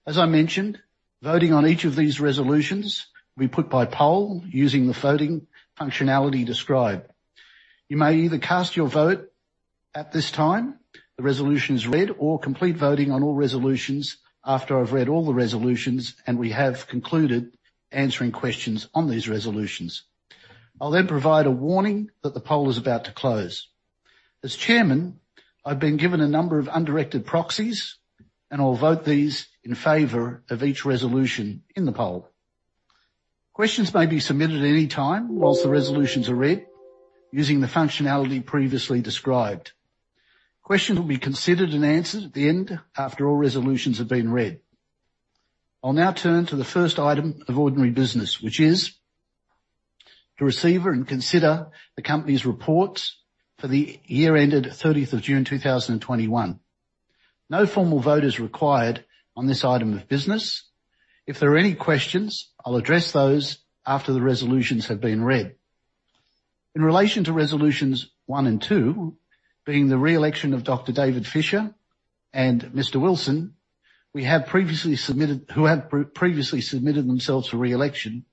As I mentioned, voting on each of these resolutions will be put by poll using the voting functionality described. You may either cast your vote at this time, the resolution is read, or complete voting on all resolutions after I've read all the resolutions, and we have concluded answering questions on these resolutions. I'll then provide a warning that the poll is about to close. As chairman, I've been given a number of undirected proxies, and I'll vote these in favor of each resolution in the poll. Questions may be submitted at any time while the resolutions are read using the functionality previously described. Questions will be considered and answered at the end after all resolutions have been read. I'll now turn to the first item of ordinary business, which is to receive and consider the company's reports for the year ended June 30th, 2021. No formal vote is required on this item of business. If there are any questions, I'll address those after the resolutions have been read. In relation to resolutions 1 and 2, being the reelection of Dr. David Fisher and Mr. Wilson, who had previously submitted themselves for reelection,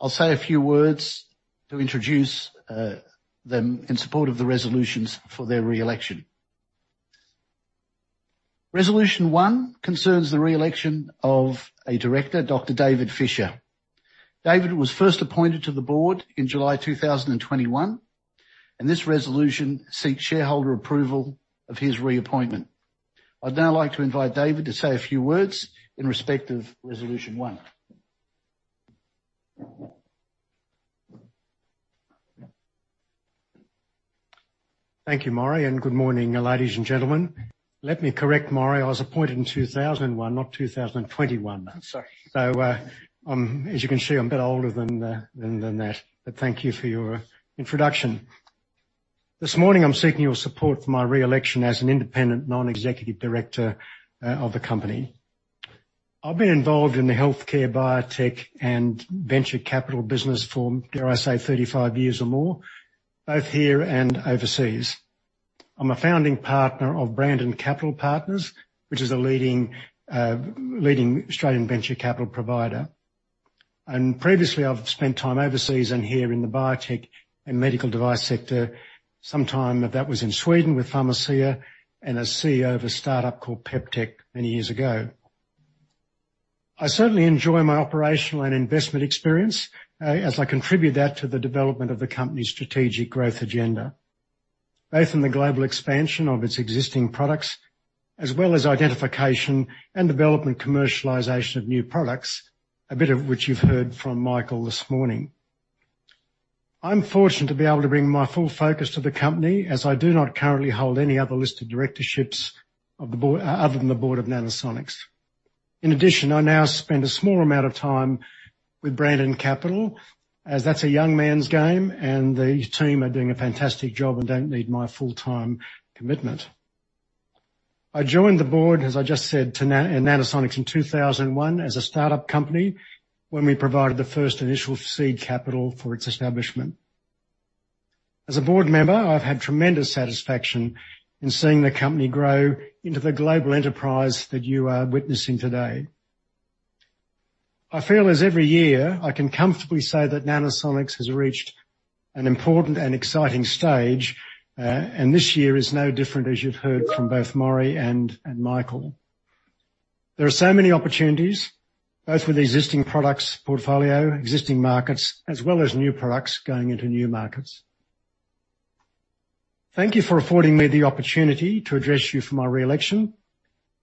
I'll say a few words to introduce them in support of the resolutions for their reelection. Resolution 1 concerns the reelection of a director, Dr. David Fisher. David was first appointed to the board in July 2021, and this resolution seeks shareholder approval of his reappointment. I'd now like to invite David to say a few words in respect of resolution 1. Thank you, Maurie, and good morning, ladies and gentlemen. Let me correct Maurie. I was appointed in 2001, not 2021. Sorry. As you can see, I'm a bit older than the than that, but thank you for your introduction. This morning, I'm seeking your support for my reelection as an independent non-executive director of the company. I've been involved in the healthcare, biotech, and venture capital business for, dare I say, 35 years or more, both here and overseas. I'm a founding partner of Brandon Capital Partners, which is a leading Australian venture capital provider. Previously, I've spent time overseas and here in the biotech and medical device sector. Some time of that was in Sweden with Pharmacia and as CEO of a startup called Peptech many years ago. I certainly enjoy my operational and investment experience as I contribute that to the development of the company's strategic growth agenda, both in the global expansion of its existing products as well as identification and development commercialization of new products, a bit of which you've heard from Michael this morning. I'm fortunate to be able to bring my full focus to the company as I do not currently hold any other listed directorships of the board, other than the board of Nanosonics. In addition, I now spend a small amount of time with Brandon Capital as that's a young man's game and the team are doing a fantastic job and don't need my full-time commitment. I joined the board, as I just said, to Nanosonics in 2001 as a startup company when we provided the first initial seed capital for its establishment. As a board member, I've had tremendous satisfaction in seeing the company grow into the global enterprise that you are witnessing today. I feel, as every year, I can comfortably say that Nanosonics has reached an important and exciting stage, and this year is no different, as you've heard from both Maurie and Michael. There are so many opportunities, both with existing products portfolio, existing markets, as well as new products going into new markets. Thank you for affording me the opportunity to address you for my reelection.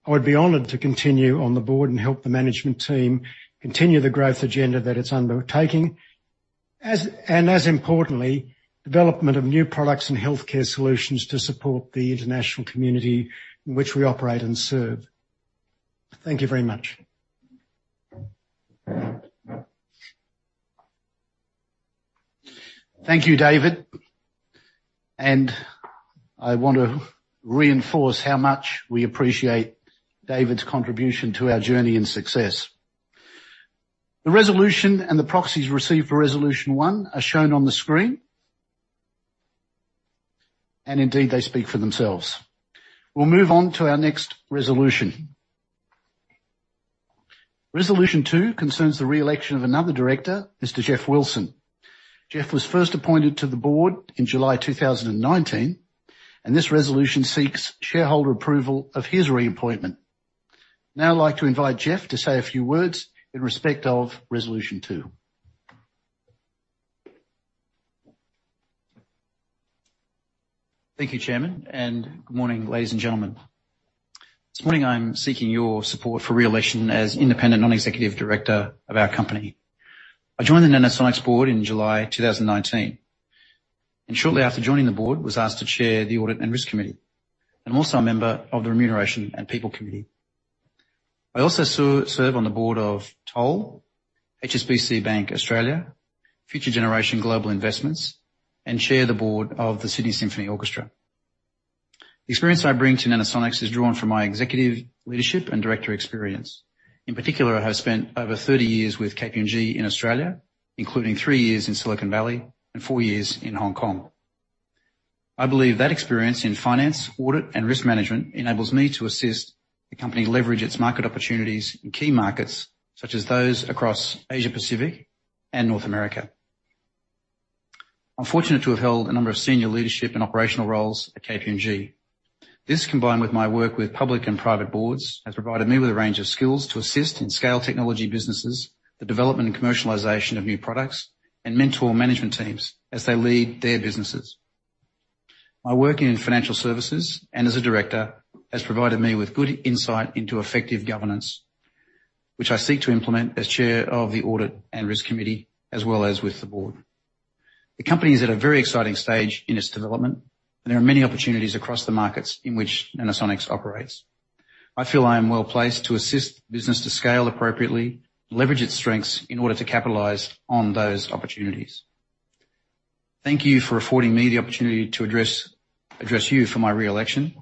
I would be honored to continue on the board and help the management team continue the growth agenda that it's undertaking. And as importantly, development of new products and healthcare solutions to support the international community in which we operate and serve. Thank you very much. Thank you, David. I want to reinforce how much we appreciate David's contribution to our journey and success. The resolution and the proxies received for resolution 1 are shown on the screen. Indeed, they speak for themselves. We'll move on to our next resolution. Resolution 2 concerns the reelection of another director, Mr. Geoff Wilson. Geoff was first appointed to the board in July 2019, and this resolution seeks shareholder approval of his reappointment. Now I'd like to invite Geoff to say a few words in respect of resolution 2. Thank you, Chairman, and good morning, ladies and gentlemen. This morning I'm seeking your support for reelection as independent non-executive director of our company. I joined the Nanosonics board in July 2019, and shortly after joining the board was asked to chair the Audit and Risk Committee. I'm also a member of the Remuneration and People Committee. I also serve on the board of Toll, HSBC Bank Australia, Future Generation Global, and chair the board of the Sydney Symphony Orchestra. The experience I bring to Nanosonics is drawn from my executive leadership and director experience. In particular, I have spent over 30 years with KPMG in Australia, including three years in Silicon Valley and four years in Hong Kong. I believe that experience in finance, audit, and risk management enables me to assist the company leverage its market opportunities in key markets such as those across Asia-Pacific and North America. I'm fortunate to have held a number of senior leadership and operational roles at KPMG. This combined with my work with public and private boards, has provided me with a range of skills to assist and scale technology businesses, the development and commercialization of new products, and mentor management teams as they lead their businesses. My working in financial services and as a director has provided me with good insight into effective governance, which I seek to implement as chair of the Audit and Risk Committee, as well as with the board. The company is at a very exciting stage in its development, and there are many opportunities across the markets in which Nanosonics operates. I feel I am well-placed to assist the business to scale appropriately, leverage its strengths in order to capitalize on those opportunities. Thank you for affording me the opportunity to address you for my reelection.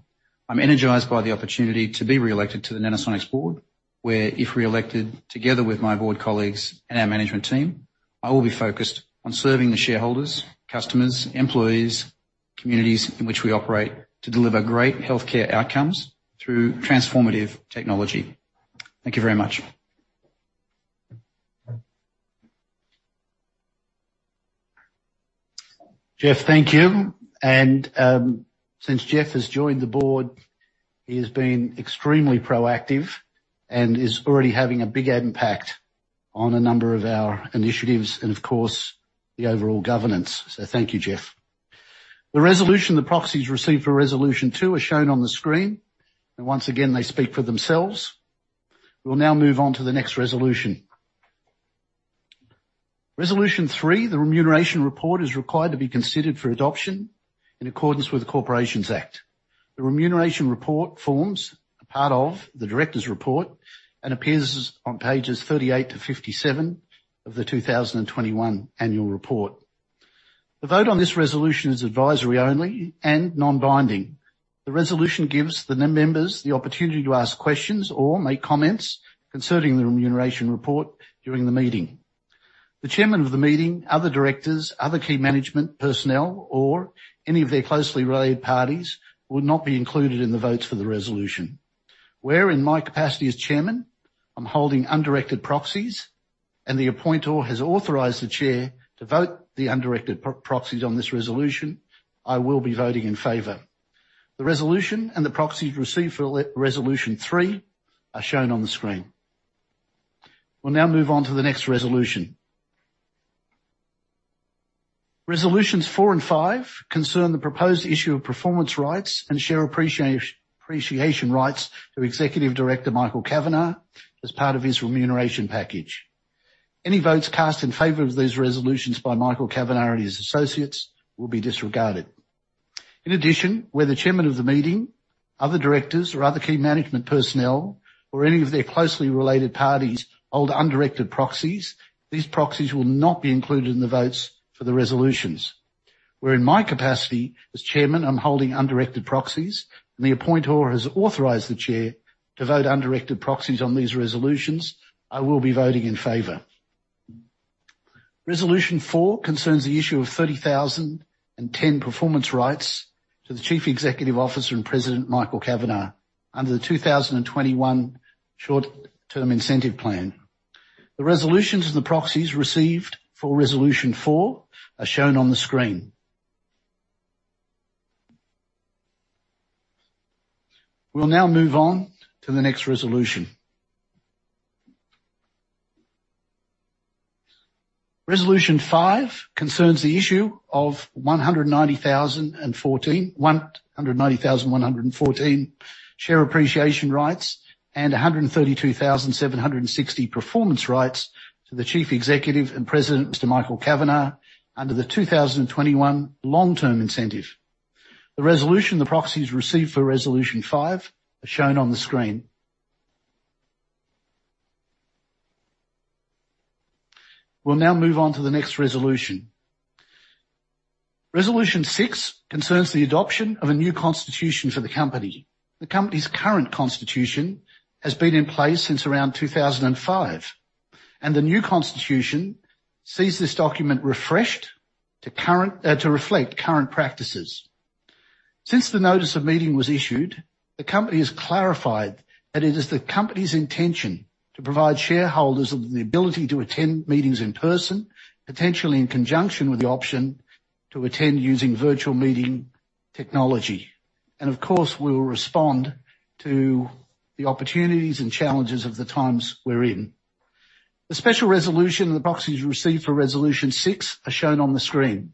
I'm energized by the opportunity to be reelected to the Nanosonics board, where, if reelected, together with my board colleagues and our management team, I will be focused on serving the shareholders, customers, employees, communities in which we operate to deliver great healthcare outcomes through transformative technology. Thank you very much. Geoff, thank you. Since Geoff has joined the board, he has been extremely proactive and is already having a big impact on a number of our initiatives and of course, the overall governance. Thank you, Geoff. The resolution, the proxies received for resolution 2 are shown on the screen, and once again, they speak for themselves. We'll now move on to the next resolution. Resolution 3, the remuneration report is required to be considered for adoption in accordance with the Corporations Act. The remuneration report forms a part of the directors' report and appears on pages 38-57 of the 2021 annual report. The vote on this resolution is advisory only and non-binding. The resolution gives the members the opportunity to ask questions or make comments concerning the remuneration report during the meeting. The chairman of the meeting, other directors, other key management personnel, or any of their closely related parties will not be included in the votes for the resolution. Where in my capacity as chairman, I'm holding undirected proxies and the appointer has authorized the Chair to vote the undirected proxies on this resolution, I will be voting in favor. The resolution and the proxies received for resolution 3 are shown on the screen. We'll now move on to the next resolution. Resolutions 4 and 5 concern the proposed issue of performance rights and share appreciation rights to Executive Director Michael Kavanagh as part of his remuneration package. Any votes cast in favor of these resolutions by Michael Kavanagh and his associates will be disregarded. In addition, where the chairman of the meeting, other directors or other key management personnel or any of their closely related parties hold undirected proxies, these proxies will not be included in the votes for the resolutions. Where in my capacity as chairman, I'm holding undirected proxies and the appointer has authorized the Chair to vote undirected proxies on these resolutions, I will be voting in favor. Resolution 4 concerns the issue of 30,010 performance rights to the Chief Executive Officer and President, Michael Kavanagh, under the 2021 short-term incentive plan. The resolutions and the proxies received for resolution 4 are shown on the screen. We'll now move on to the next resolution. Resolution 5 concerns the issue of 190,014... 190,114 share appreciation rights and 132,760 performance rights to the Chief Executive and President, Mr. Michael Kavanagh, under the 2021 long-term incentive. The resolution, the proxies received for resolution five are shown on the screen. We'll now move on to the next resolution. Resolution six concerns the adoption of a new constitution for the company. The company's current constitution has been in place since around 2005, and the new constitution sees this document refreshed to reflect current practices. Since the notice of meeting was issued, the company has clarified that it is the company's intention to provide shareholders with the ability to attend meetings in person, potentially in conjunction with the option to attend using virtual meeting technology. Of course, we will respond to the opportunities and challenges of the times we're in. The special resolution and the proxies received for resolution 6 are shown on the screen.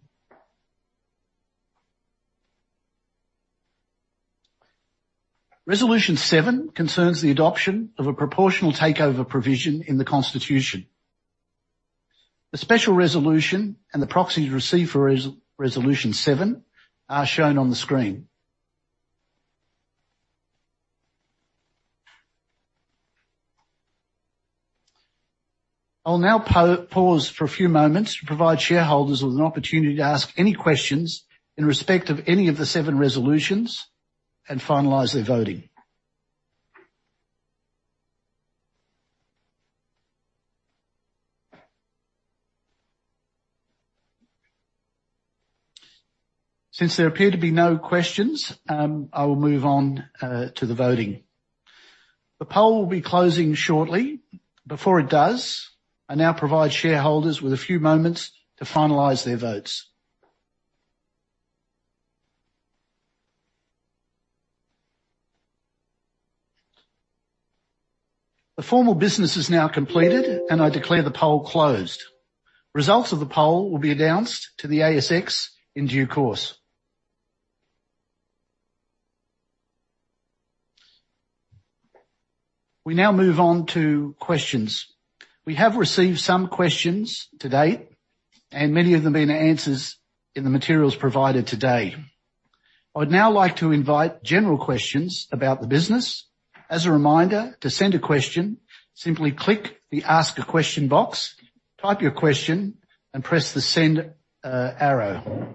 Resolution 7 concerns the adoption of a proportional takeover provision in the Constitution. The special resolution and the proxies received for resolution 7 are shown on the screen. I'll now pause for a few moments to provide shareholders with an opportunity to ask any questions in respect of any of the seven resolutions and finalize their voting. Since there appear to be no questions, I will move on to the voting. The poll will be closing shortly. Before it does, I now provide shareholders with a few moments to finalize their votes. The formal business is now completed, and I declare the poll closed. Results of the poll will be announced to the ASX in due course. We now move on to questions. We have received some questions to date, and many of them have been answered in the materials provided today. I would now like to invite general questions about the business. As a reminder, to send a question, simply click the Ask a Question box, type your question, and press the Send arrow.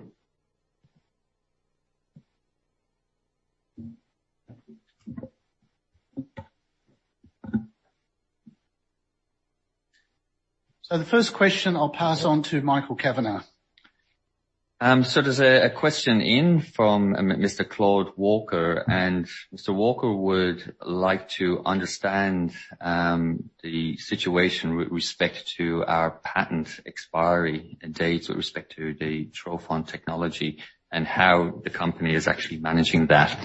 The first question I'll pass on to Michael Kavanagh. There's a question in from Mr. Claude Walker, and Mr. Walker would like to understand the situation with respect to our patent expiry dates with respect to the trophon technology and how the company is actually managing that.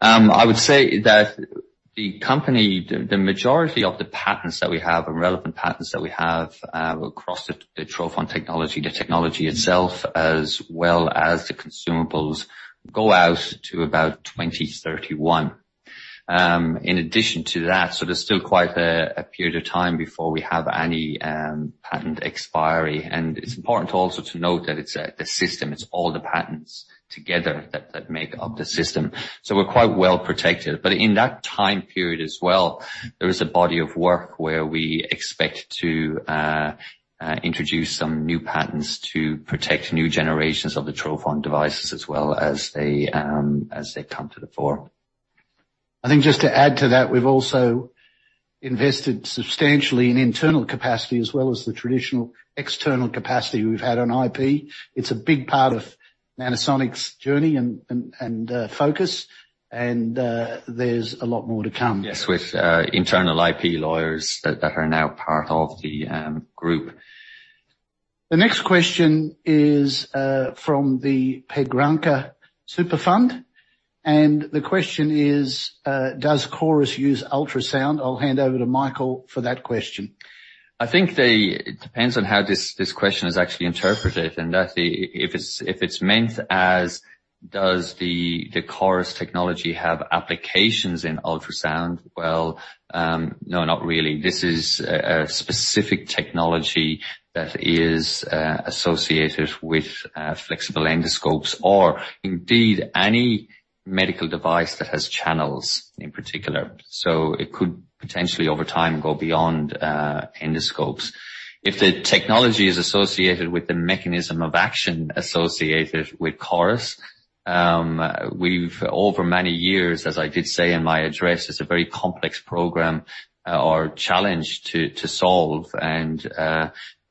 I would say that the company, the majority of the patents that we have and relevant patents that we have, across the trophon technology, the technology itself, as well as the consumables, go out to about 2031. In addition to that, there's still quite a period of time before we have any patent expiry, and it's important also to note that it's the system. It's all the patents together that make up the system. We're quite well-protected. In that time period as well, there is a body of work where we expect to introduce some new patents to protect new generations of the trophon devices as well as they come to the fore. I think just to add to that, we've also invested substantially in internal capacity as well as the traditional external capacity we've had on IP. It's a big part of Nanosonics' journey and focus, and there's a lot more to come. Yes, with internal IP lawyers that are now part of the group. The next question is from the Pegroner Superfund, and the question is, "Does Cochlear use ultrasound?" I'll hand over to Michael for that question. I think it depends on how this question is actually interpreted. If it's meant as does the CORIS technology have applications in ultrasound? Well, no, not really. This is a specific technology that is associated with flexible endoscopes or indeed any medical device that has channels in particular. It could potentially, over time, go beyond endoscopes. If the technology is associated with the mechanism of action associated with CORIS, we've over many years, as I did say in my address, it's a very complex program or challenge to solve.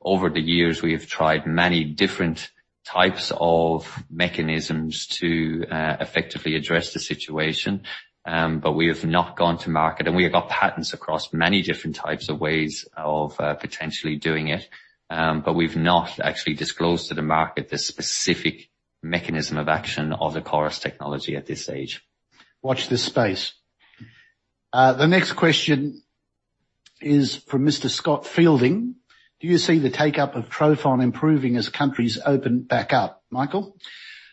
Over the years, we have tried many different types of mechanisms to effectively address the situation, but we have not gone to market. We have got patents across many different types of ways of potentially doing it, but we've not actually disclosed to the market the specific mechanism of action of the CORIS technology at this stage. Watch this space. The next question is from Mr. Scott Fielding. "Do you see the take-up of trophon improving as countries open back up?" Michael?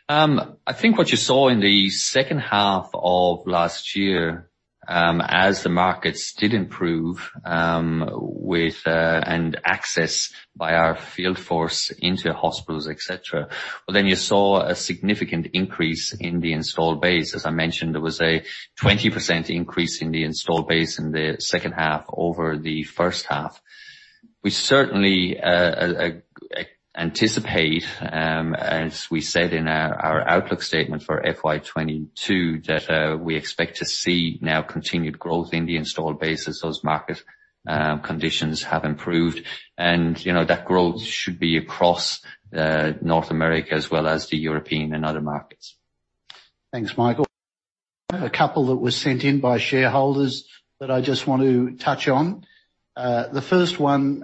I think what you saw in the second half of last year, as the markets did improve, with and access by our field force into hospitals, etc., well, then you saw a significant increase in the installed base. As I mentioned, there was a 20% increase in the installed base in the second half over the first half. We certainly anticipate, as we said in our outlook statement for FY 2022, that we expect to see now continued growth in the installed base as those market conditions have improved. that growth should be across North America as well as the European and other markets. Thanks, Michael. I have a couple that were sent in by shareholders that I just want to touch on. The first one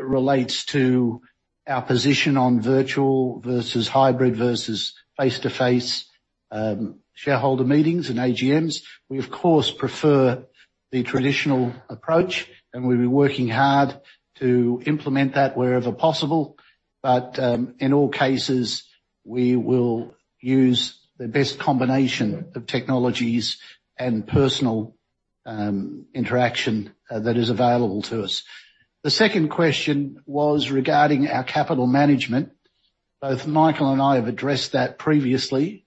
relates to our position on virtual versus hybrid versus face-to-face shareholder meetings and AGMs. We of course prefer the traditional approach, and we've been working hard to implement that wherever possible. In all cases, we will use the best combination of technologies and personal interaction that is available to us. The second question was regarding our capital management. Both Michael and I have addressed that previously.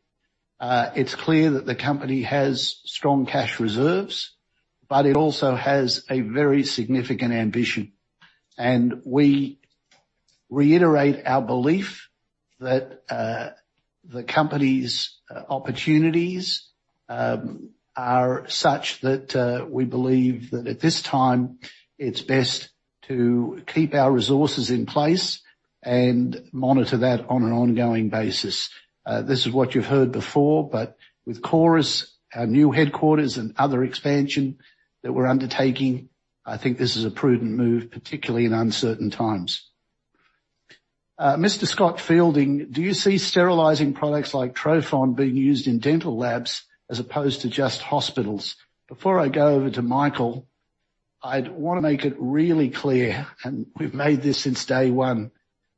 It's clear that the company has strong cash reserves, but it also has a very significant ambition. We reiterate our belief that the company's opportunities are such that we believe that at this time it's best to keep our resources in place and monitor that on an ongoing basis. This is what you've heard before, but with CORIS, our new headquarters and other expansion that we're undertaking, I think this is a prudent move, particularly in uncertain times. Mr. Scott Fielding, do you see sterilizing products like trophon being used in dental labs as opposed to just hospitals? Before I go over to Michael, I'd want to make it really clear, and we've made this since day one,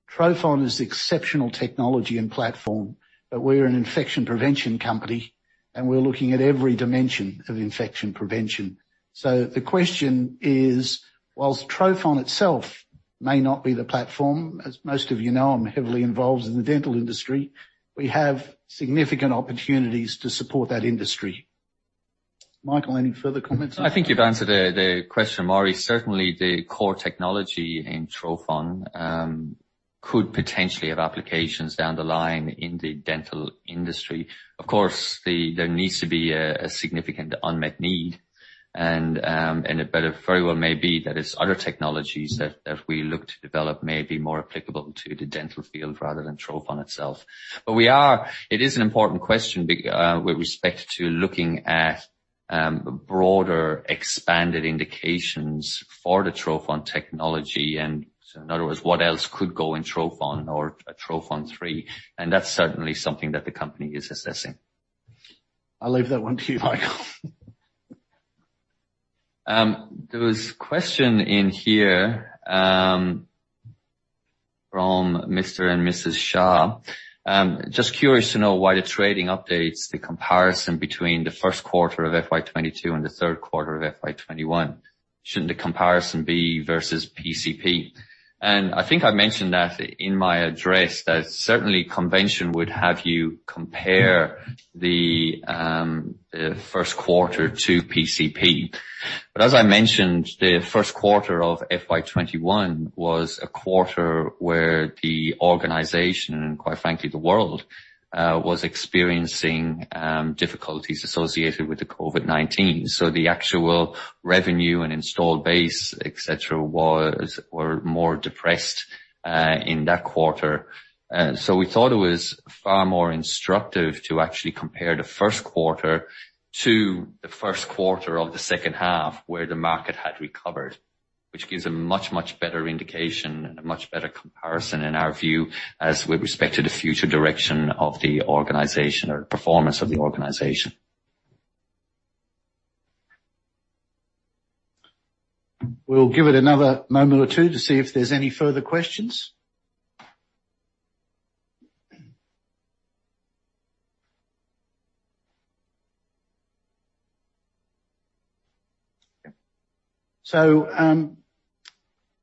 trophon is exceptional technology and platform, but we're an infection prevention company, and we're looking at every dimension of infection prevention. The question is, while trophon itself may not be the platform, as most of I'm heavily involved in the dental industry, we have significant opportunities to support that industry. Michael, any further comments on that? I think you've answered the question, Maurie. Certainly, the core technology in trophon could potentially have applications down the line in the dental industry. Of course, there needs to be a significant unmet need and it better very well may be that it's other technologies that we look to develop may be more applicable to the dental field rather than trophon itself. It is an important question with respect to looking at broader, expanded indications for the trophon technology. In other words, what else could go in trophon or a trophon 3? That's certainly something that the company is assessing. I'll leave that one to you, Michael. There was a question in here from Mr. and Mrs. Shaw. Just curious to know why the trading updates the comparison between Q1 of FY 2022 and Q3 of FY 2021. Shouldn't the comparison be versus PCP? I think I mentioned that in my address, that certainly convention would have you compare Q1 to PCP. As I mentioned, Q1 of FY 2021 was a quarter where the organization, and quite frankly, the world, was experiencing difficulties associated with the COVID-19. The actual revenue and installed base, etc., were more depressed in that quarter. We thought it was far more instructive to actually compare Q1 to Q1 of the second half where the market had recovered, which gives a much, much better indication and a much better comparison in our view, as with respect to the future direction of the organization or performance of the organization. We'll give it another moment or two to see if there's any further questions.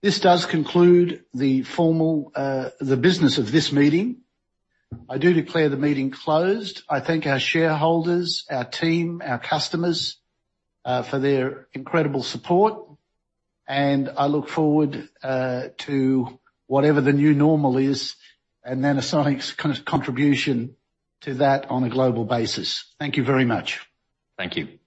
This does conclude the formal business of this meeting. I do declare the meeting closed. I thank our shareholders, our team, our customers, for their incredible support, and I look forward to whatever the new normal is and Nanosonics contribution to that on a global basis. Thank you very much. Thank you.